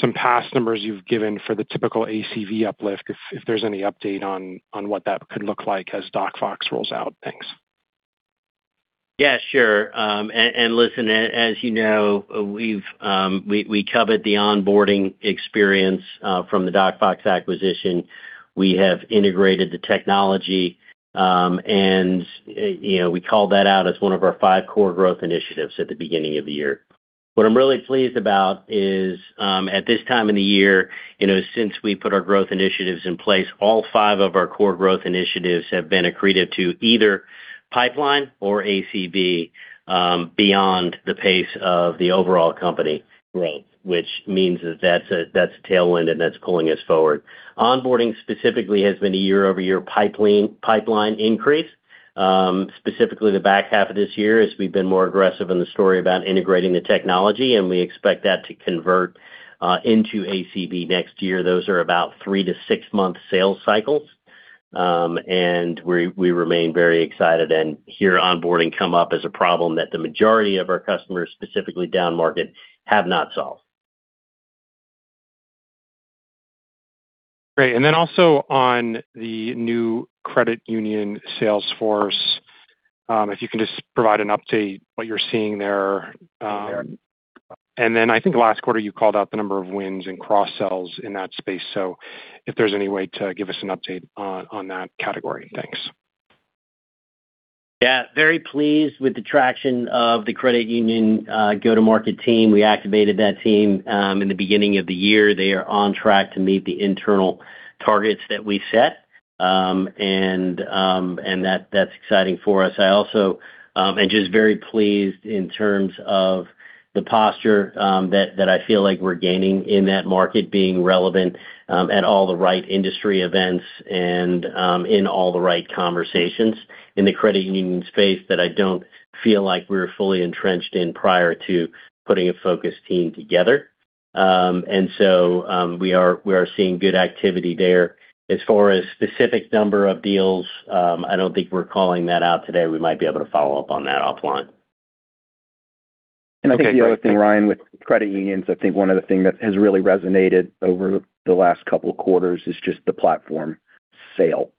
some past numbers you've given for the typical ACV uplift, if there's any update on what that could look like as DocFox rolls out, thanks. Yeah, sure. And listen, as you know, we covered the onboarding experience from the DocFox acquisition. We have integrated the technology. And we called that out as one of our five core growth initiatives at the beginning of the year. What I'm really pleased about is at this time in the year, since we put our growth initiatives in place, all five of our core growth initiatives have been attributed to either pipeline or ACV beyond the pace of the overall company growth, which means that that's a tailwind and that's pulling us forward. Onboarding specifically has been a year-over-year pipeline increase. Specifically, the back half of this year is we've been more aggressive in the story about integrating the technology. And we expect that to convert into ACV next year. Those are about three- to six-month sales cycles. And we remain very excited. And we hear onboarding come up as a problem that the majority of our customers, specifically down market, have not solved. Great. And then also on the new credit union sales force, if you can just provide an update what you're seeing there. And then I think last quarter you called out the number of wins and cross-sells in that space. So if there's any way to give us an update on that category, thanks. Yeah. Very pleased with the traction of the credit union go-to-market team. We activated that team in the beginning of the year. They are on track to meet the internal targets that we set. And that's exciting for us. I also am just very pleased in terms of the posture that I feel like we're gaining in that market being relevant at all the right industry events and in all the right conversations in the credit union space that I don't feel like we were fully entrenched in prior to putting a focus team together. And so we are seeing good activity there. As far as specific number of deals, I don't think we're calling that out today. We might be able to follow up on that offline. And I think the other thing, Ryan, with credit unions, I think one of the things that has really resonated over the last couple of quarters is just the platform sale.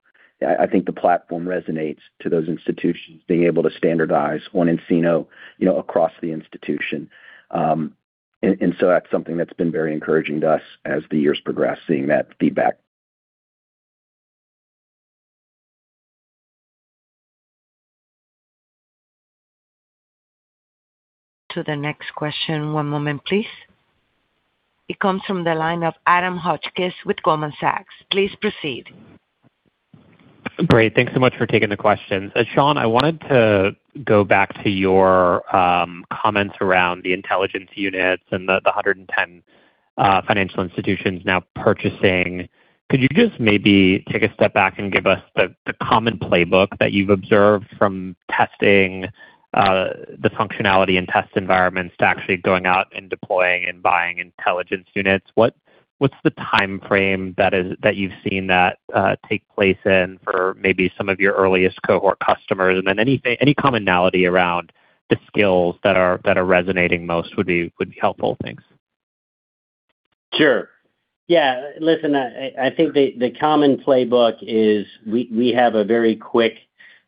I think the platform resonates to those institutions being able to standardize on nCino across the institution. And so that's something that's been very encouraging to us as the years progress, seeing that feedback. To the next question, one moment, please. It comes from the line of Adam Hotchkiss with Goldman Sachs. Please proceed. Great. Thanks so much for taking the questions. Sean, I wanted to go back to your comments around the intelligence units and the 110 financial institutions now purchasing. Could you just maybe take a step back and give us the common playbook that you've observed from testing the functionality and test environments to actually going out and deploying and buying intelligence units? What's the time frame that you've seen that take place in for maybe some of your earliest cohort customers? And then any commonality around the skills that are resonating most would be helpful. Thanks. Sure. Yeah. Listen, I think the common playbook is we have a very quick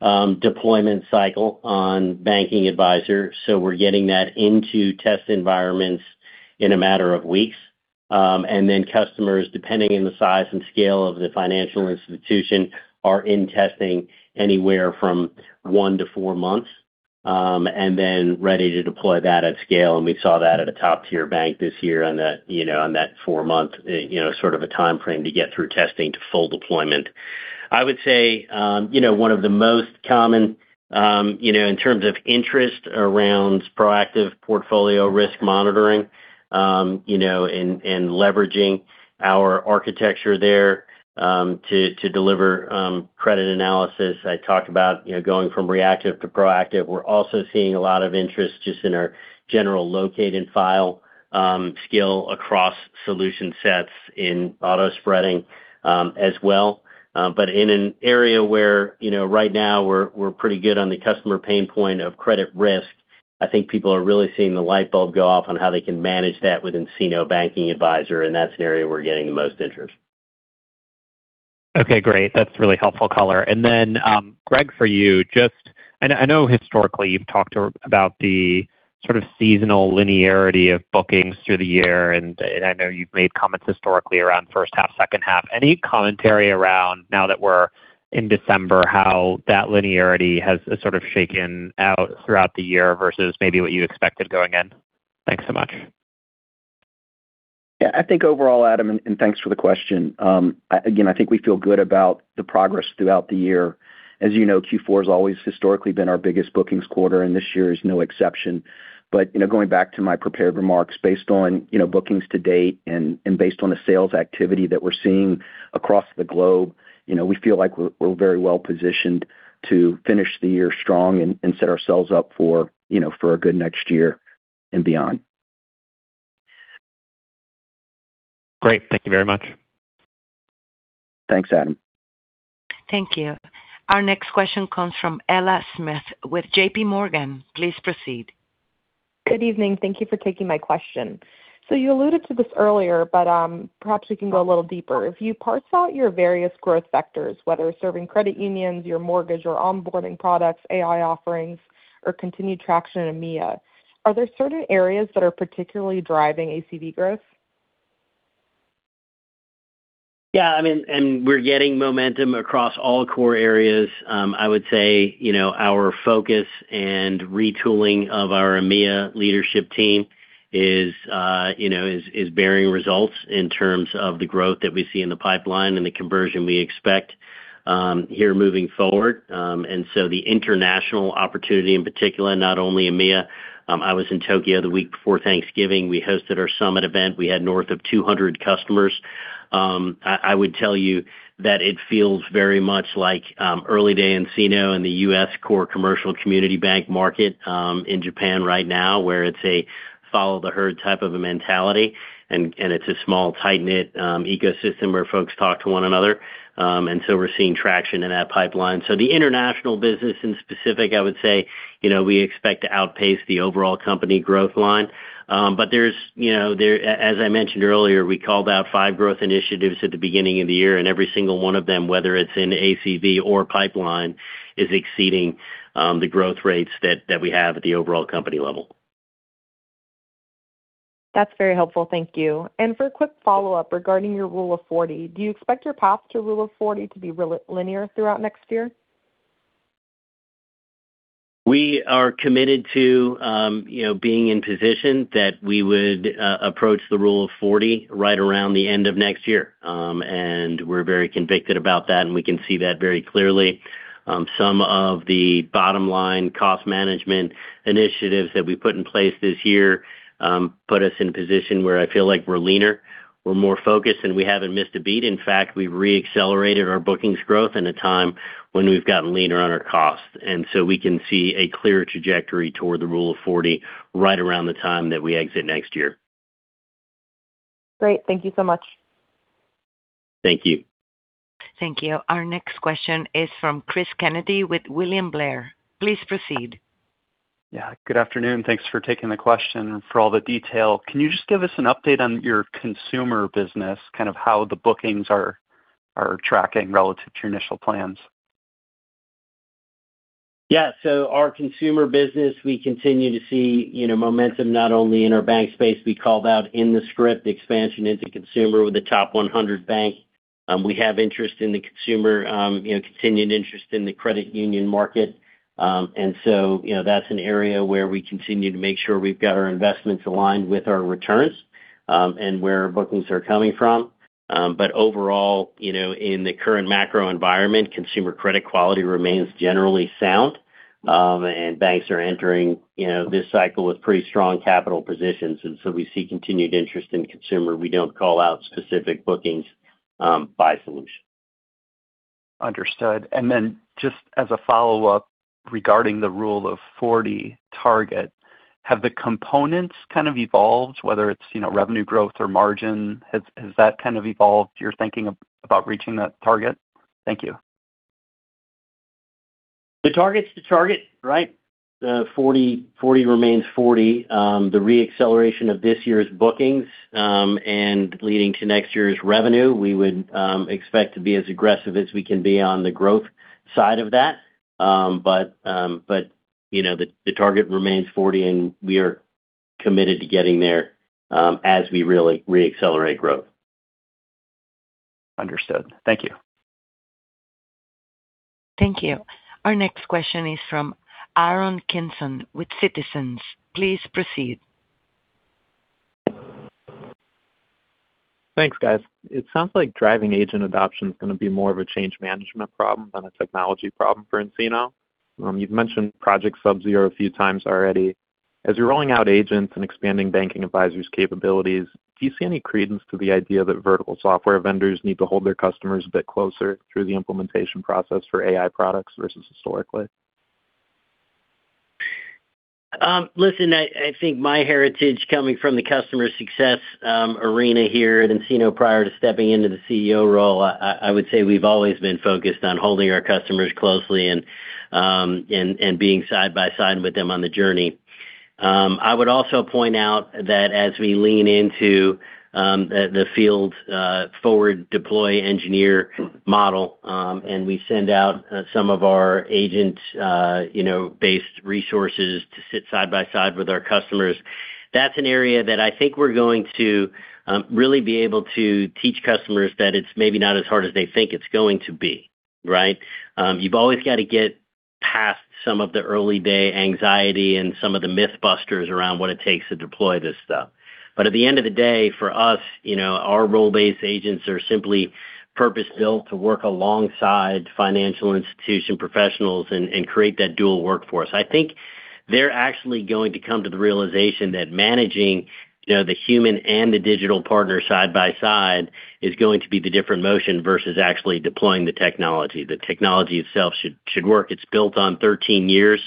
deployment cycle on Banking Advisor. So we're getting that into test environments in a matter of weeks. And then customers, depending on the size and scale of the financial institution, are in testing anywhere from one to four months and then ready to deploy that at scale. And we saw that at a top-tier bank this year on that four-month sort of a time frame to get through testing to full deployment. I would say one of the most common in terms of interest around proactive portfolio risk monitoring and leveraging our architecture there to deliver credit analysis. I talked about going from reactive to proactive. We're also seeing a lot of interest just in our general locating file skill across solution sets in auto spreading as well. But in an area where right now we're pretty good on the customer pain point of credit risk, I think people are really seeing the light bulb go off on how they can manage that with nCino Banking Advisor. And that's an area we're getting the most interest. Okay. Great. That's really helpful color. And then, Greg, for you, just I know historically you've talked about the sort of seasonal linearity of bookings through the year. And I know you've made comments historically around first half, second half. Any commentary around now that we're in December, how that linearity has sort of shaken out throughout the year versus maybe what you expected going in? Thanks so much. Yeah. I think overall, Adam, and thanks for the question. Again, I think we feel good about the progress throughout the year. As you know, Q4 has always historically been our biggest bookings quarter. And this year is no exception. But going back to my prepared remarks, based on bookings to date and based on the sales activity that we're seeing across the globe, we feel like we're very well positioned to finish the year strong and set ourselves up for a good next year and beyond. Great. Thank you very much. Thanks, Adam. Thank you. Our next question comes from Ella Smith with JPMorgan. Please proceed. Good evening. Thank you for taking my question. So you alluded to this earlier, but perhaps we can go a little deeper. If you parse out your various growth vectors, whether serving credit unions, your mortgage, your onboarding products, AI offerings, or continued traction in EMEA, are there certain areas that are particularly driving ACV growth? Yeah. I mean, and we're getting momentum across all core areas. I would say our focus and retooling of our EMEA leadership team is bearing results in terms of the growth that we see in the pipeline and the conversion we expect here moving forward, and so the international opportunity in particular, not only EMEA. I was in Tokyo the week before Thanksgiving. We hosted our summit event. We had north of 200 customers. I would tell you that it feels very much like early days in nCino and the U.S. core commercial community bank market in Japan right now, where it's a follow-the-herd type of a mentality, and it's a small, tight-knit ecosystem where folks talk to one another, and so we're seeing traction in that pipeline, so the international business specifically, I would say we expect to outpace the overall company growth line. But as I mentioned earlier, we called out five growth initiatives at the beginning of the year. And every single one of them, whether it's in ACV or pipeline, is exceeding the growth rates that we have at the overall company level. That's very helpful. Thank you. And for a quick follow-up regarding your Rule of 40, do you expect your path to Rule of 40 to be linear throughout next year? We are committed to being in position that we would approach the Rule of 40 right around the end of next year. And we're very convicted about that. And we can see that very clearly. Some of the bottom-line cost management initiatives that we put in place this year put us in a position where I feel like we're leaner. We're more focused. And we haven't missed a beat. In fact, we've re-accelerated our bookings growth in a time when we've gotten leaner on our cost, and so we can see a clear trajectory toward the Rule of 40 right around the time that we exit next year. Great. Thank you so much. Thank you. Thank you. Our next question is from Cris Kennedy with William Blair. Please proceed. Yeah. Good afternoon. Thanks for taking the question and for all the detail. Can you just give us an update on your consumer business, kind of how the bookings are tracking relative to your initial plans? Yeah. So our consumer business, we continue to see momentum not only in our bank space. We called out in the script expansion into consumer with the top 100 bank. We have interest in the consumer, continued interest in the credit union market. And so that's an area where we continue to make sure we've got our investments aligned with our returns and where bookings are coming from. But overall, in the current macro environment, consumer credit quality remains generally sound. And banks are entering this cycle with pretty strong capital positions. And so we see continued interest in consumer. We don't call out specific bookings by solution. Understood. And then just as a follow-up regarding the Rule of 40 target, have the components kind of evolved, whether it's revenue growth or margin? Has that kind of evolved your thinking about reaching that target? Thank you. The target's the target, right? The 40 remains 40. The re-acceleration of this year's bookings and leading to next year's revenue, we would expect to be as aggressive as we can be on the growth side of that. But the target remains 40. And we are committed to getting there as we really re-accelerate growth. Understood. Thank you. Thank you. Our next question is from Aaron Kimson with Citizens. Please proceed. Thanks, guys. It sounds like driving agent adoption is going to be more of a change management problem than a technology problem for nCino. You've mentioned Project SevZero a few times already. As you're rolling out agents and expanding banking advisors' capabilities, do you see any credence to the idea that vertical software vendors need to hold their customers a bit closer through the implementation process for AI products versus historically? Listen, I think my heritage coming from the customer success arena here at nCino prior to stepping into the CEO role, I would say we've always been focused on holding our customers closely and being side by side with them on the journey. I would also point out that as we lean into the field forward deploy engineer model, and we send out some of our agent-based resources to sit side by side with our customers, that's an area that I think we're going to really be able to teach customers that it's maybe not as hard as they think it's going to be, right? You've always got to get past some of the early day anxiety and some of the myth busters around what it takes to deploy this stuff. But at the end of the day, for us, our role-based agents are simply purpose-built to work alongside financial institution professionals and create that dual workforce. I think they're actually going to come to the realization that managing the human and the digital partner side by side is going to be the different motion versus actually deploying the technology. The technology itself should work. It's built on 13 years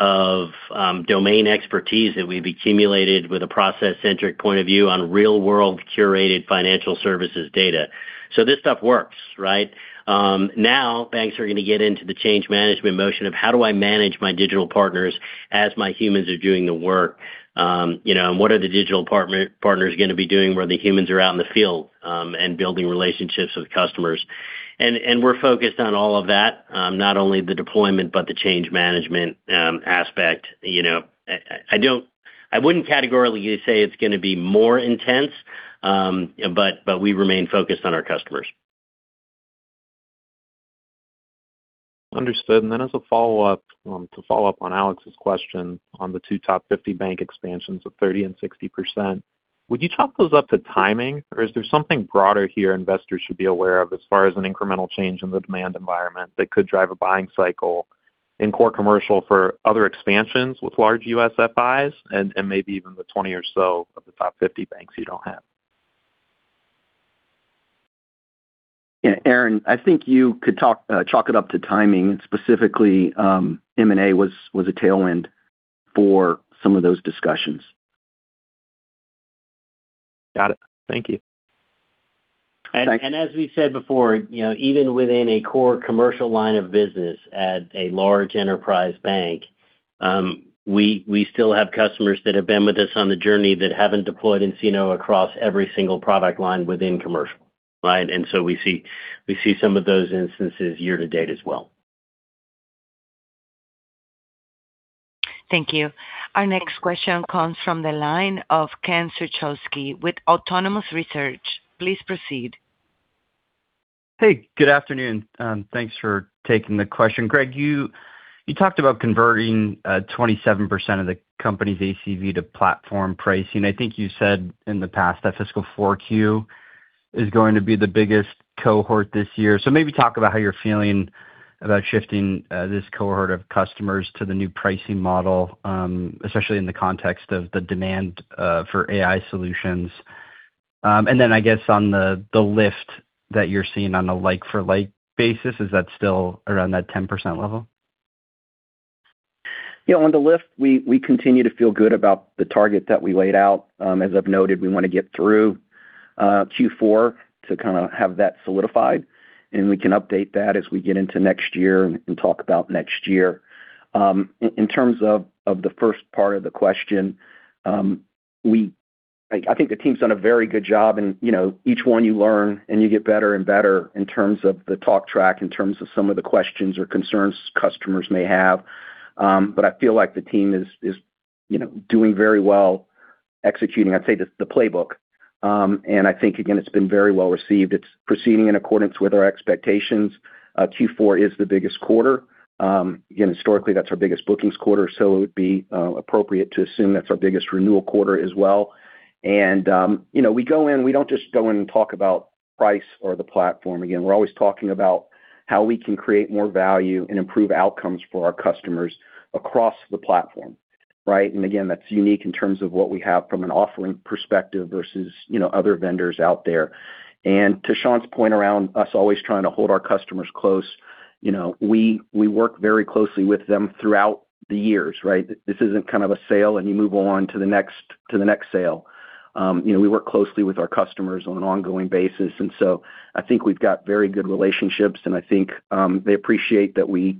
of domain expertise that we've accumulated with a process-centric point of view on real-world curated financial services data. So this stuff works, right? Now, banks are going to get into the change management motion of, "How do I manage my digital partners as my humans are doing the work? And what are the digital partners going to be doing where the humans are out in the field and building relationships with customers?" And we're focused on all of that, not only the deployment but the change management aspect. I wouldn't categorically say it's going to be more intense, but we remain focused on our customers. Understood. And then as a follow-up, to follow up on Alex's question on the two top 50 bank expansions of 30% and 60%, would you chalk those up to timing? Or is there something broader here investors should be aware of as far as an incremental change in the demand environment that could drive a buying cycle in core commercial for other expansions with large USFIs and maybe even the 20 or so of the top 50 banks you don't have? Yeah. Aaron, I think you could chalk it up to timing. And specifically, M&A was a tailwind for some of those discussions. Got it. Thank you. And as we said before, even within a core commercial line of business at a large enterprise bank, we still have customers that have been with us on the journey that haven't deployed nCino across every single product line within commercial, right? And so we see some of those instances year to date as well. Thank you. Our next question comes from the line of Ken Suchoski with Autonomous Research. Please proceed. Hey. Good afternoon. Thanks for taking the question. Greg, you talked about converting 27% of the company's ACV to platform pricing. I think you said in the past that fiscal 4Q is going to be the biggest cohort this year. So maybe talk about how you're feeling about shifting this cohort of customers to the new pricing model, especially in the context of the demand for AI solutions. And then I guess on the lift that you're seeing on a like-for-like basis, is that still around that 10% level? Yeah. On the lift, we continue to feel good about the target that we laid out. As I've noted, we want to get through Q4 to kind of have that solidified. And we can update that as we get into next year and talk about next year. In terms of the first part of the question, I think the team's done a very good job. And each one you learn, and you get better and better in terms of the talk track, in terms of some of the questions or concerns customers may have. But I feel like the team is doing very well executing, I'd say, the playbook. And I think, again, it's been very well received. It's proceeding in accordance with our expectations. Q4 is the biggest quarter. Again, historically, that's our biggest bookings quarter. So it would be appropriate to assume that's our biggest renewal quarter as well. And we go in, we don't just go in and talk about price or the platform. Again, we're always talking about how we can create more value and improve outcomes for our customers across the platform, right? And again, that's unique in terms of what we have from an offering perspective versus other vendors out there. And to Sean's point around us always trying to hold our customers close, we work very closely with them throughout the years, right? This isn't kind of a sale, and you move on to the next sale. We work closely with our customers on an ongoing basis. And so I think we've got very good relationships. And I think they appreciate that we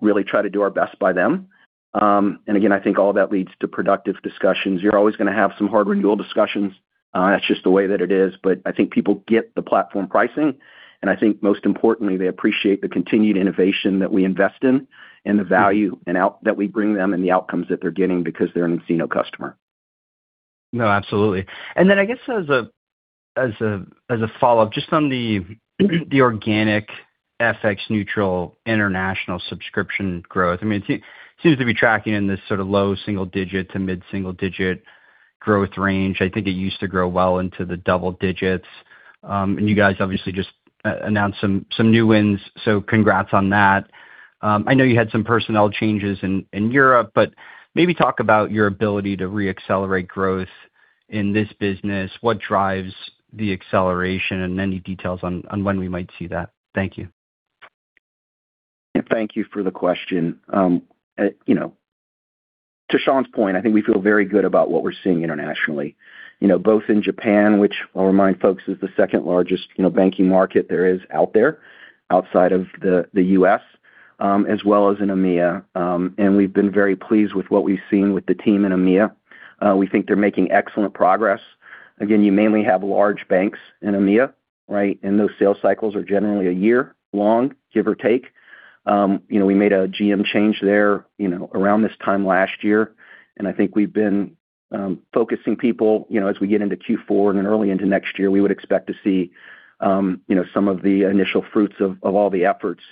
really try to do our best by them. And again, I think all of that leads to productive discussions. You're always going to have some hard renewal discussions. That's just the way that it is. But I think people get the platform pricing. And I think most importantly, they appreciate the continued innovation that we invest in and the value that we bring them and the outcomes that they're getting because they're an nCino customer. No, absolutely. And then I guess as a follow-up, just on the organic FX-neutral international subscription growth, I mean, it seems to be tracking in this sort of low single-digit to mid-single-digit growth range. I think it used to grow well into the double digits. And you guys obviously just announced some new wins. So congrats on that. I know you had some personnel changes in Europe. But maybe talk about your ability to re-accelerate growth in this business. What drives the acceleration? And any details on when we might see that? Thank you. Yeah. Thank you for the question. To Sean's point, I think we feel very good about what we're seeing internationally, both in Japan, which I'll remind folks is the second largest banking market there is out there outside of the U.S., as well as in EMEA, and we've been very pleased with what we've seen with the team in EMEA. We think they're making excellent progress. Again, you mainly have large banks in EMEA, right? And those sales cycles are generally a year long, give or take. We made a GM change there around this time last year, and I think we've been focusing people as we get into Q4 and early into next year. We would expect to see some of the initial fruits of all the efforts,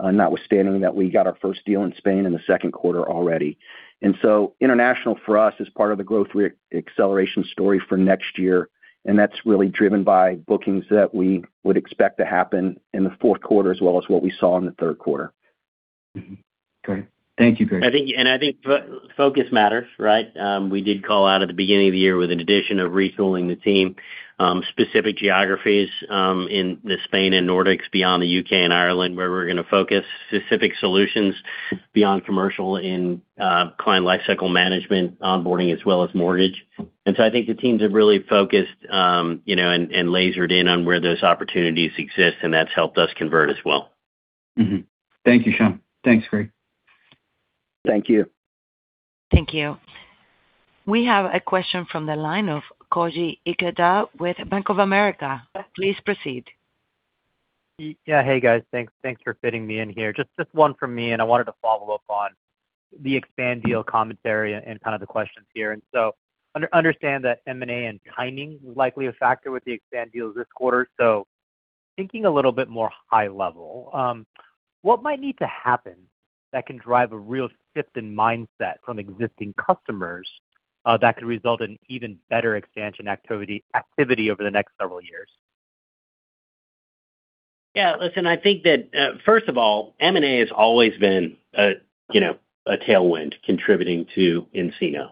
notwithstanding that we got our first deal in Spain in the second quarter already. And so international for us is part of the growth re-acceleration story for next year. And that's really driven by bookings that we would expect to happen in the fourth quarter as well as what we saw in the third quarter. Great. Thank you, Greg. And I think focus matters, right? We did call out at the beginning of the year with an addition of retooling the team, specific geographies in Spain and Nordics beyond the U.K. and Ireland where we're going to focus, specific solutions beyond commercial in client lifecycle management, onboarding, as well as mortgage. And so I think the teams have really focused and lasered in on where those opportunities exist. And that's helped us convert as well. Thank you, Sean. Thanks, Greg. Thank you. Thank you. We have a question from the line of Koji Ikeda with Bank of America. Please proceed. Yeah. Hey, guys. Thanks for fitting me in here. Just one from me, and I wanted to follow up on the expand deal commentary and kind of the questions here, and so I understand that M&A and timing is likely a factor with the expand deals this quarter. So thinking a little bit more high level, what might need to happen that can drive a real shift in mindset from existing customers that could result in even better expansion activity over the next several years? Yeah. Listen, I think that first of all, M&A has always been a tailwind contributing to nCino.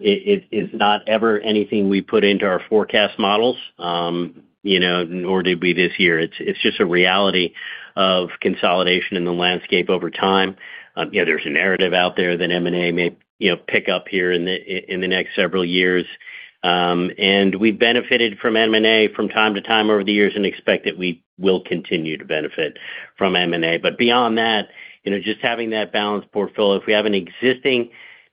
It's not ever anything we put into our forecast models, nor did we this year. It's just a reality of consolidation in the landscape over time. There's a narrative out there that M&A may pick up here in the next several years. And we've benefited from M&A from time to time over the years and expect that we will continue to benefit from M&A. But beyond that, just having that balanced portfolio, if we have an existing,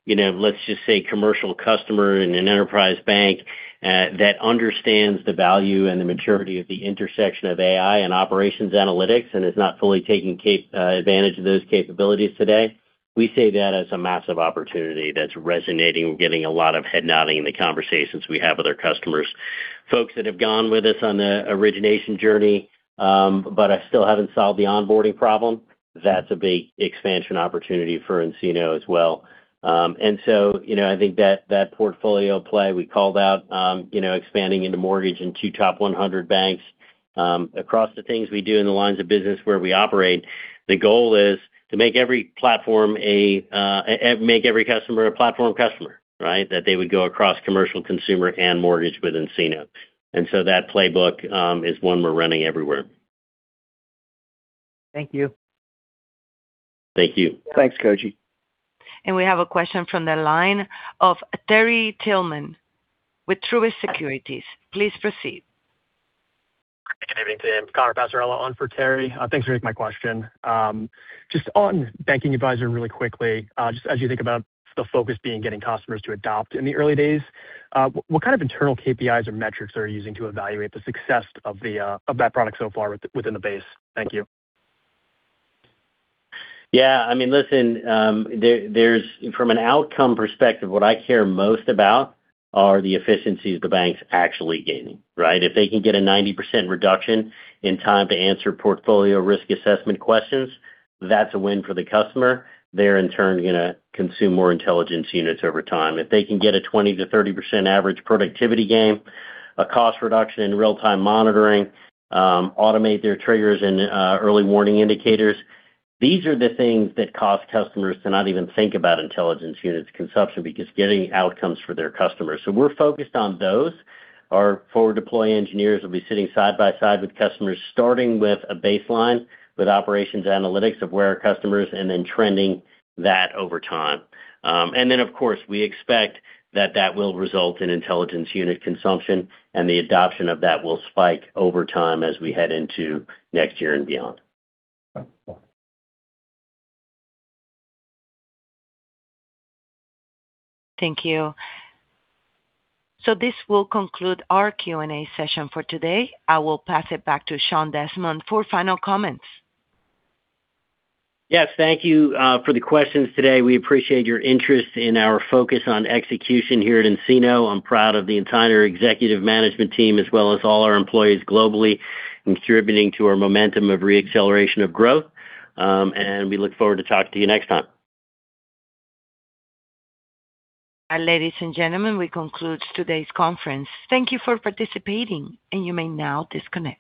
let's just say, commercial customer in an enterprise bank that understands the value and the maturity of the intersection of AI and operations analytics and is not fully taking advantage of those capabilities today, we see that as a massive opportunity that's resonating. We're getting a lot of head nodding in the conversations we have with our customers. Folks that have gone with us on the origination journey but still haven't solved the onboarding problem, that's a big expansion opportunity for nCino as well. And so, I think that portfolio play we called out, expanding into mortgage and two top 100 banks across the things we do in the lines of business where we operate. The goal is to make every customer a platform customer, right? That they would go across commercial, consumer, and mortgage with nCino. And so that playbook is one we're running everywhere. Thank you. Thank you. Thanks, Koji. And we have a question from the line of Terry Tillman with Truist Securities. Please proceed. Good evening to you. I'm Connor Passarella on for Terry. Thanks for taking my question. Just on banking advisor really quickly, just as you think about the focus being getting customers to adopt in the early days, what kind of internal KPIs or metrics are you using to evaluate the success of that product so far within the base? Thank you. Yeah. I mean, listen, from an outcome perspective, what I care most about are the efficiencies the bank's actually gaining, right? If they can get a 90% reduction in time to answer portfolio risk assessment questions, that's a win for the customer. They're, in turn, going to consume more Intelligence Units over time. If they can get a 20%-30% average productivity gain, a cost reduction in real-time monitoring, automate their triggers and early warning indicators, these are the things that cause customers to not even think about Intelligence Units consumption because getting outcomes for their customers. So we're focused on those. Our forward deploy engineers will be sitting side by side with customers, starting with a baseline with Operations Analytics of where our customers and then trending that over time. And then, of course, we expect that that will result in Intelligence Unit consumption. And the adoption of that will spike over time as we head into next year and beyond. Thank you. So this will conclude our Q&A session for today. I will pass it back to Sean Desmond for final comments. Yes. Thank you for the questions today. We appreciate your interest in our focus on execution here at nCino. I'm proud of the entire executive management team as well as all our employees globally contributing to our momentum of re-acceleration of growth. And we look forward to talking to you next time. Ladies and gentlemen, we conclude today's conference. Thank you for participating. And you may now disconnect.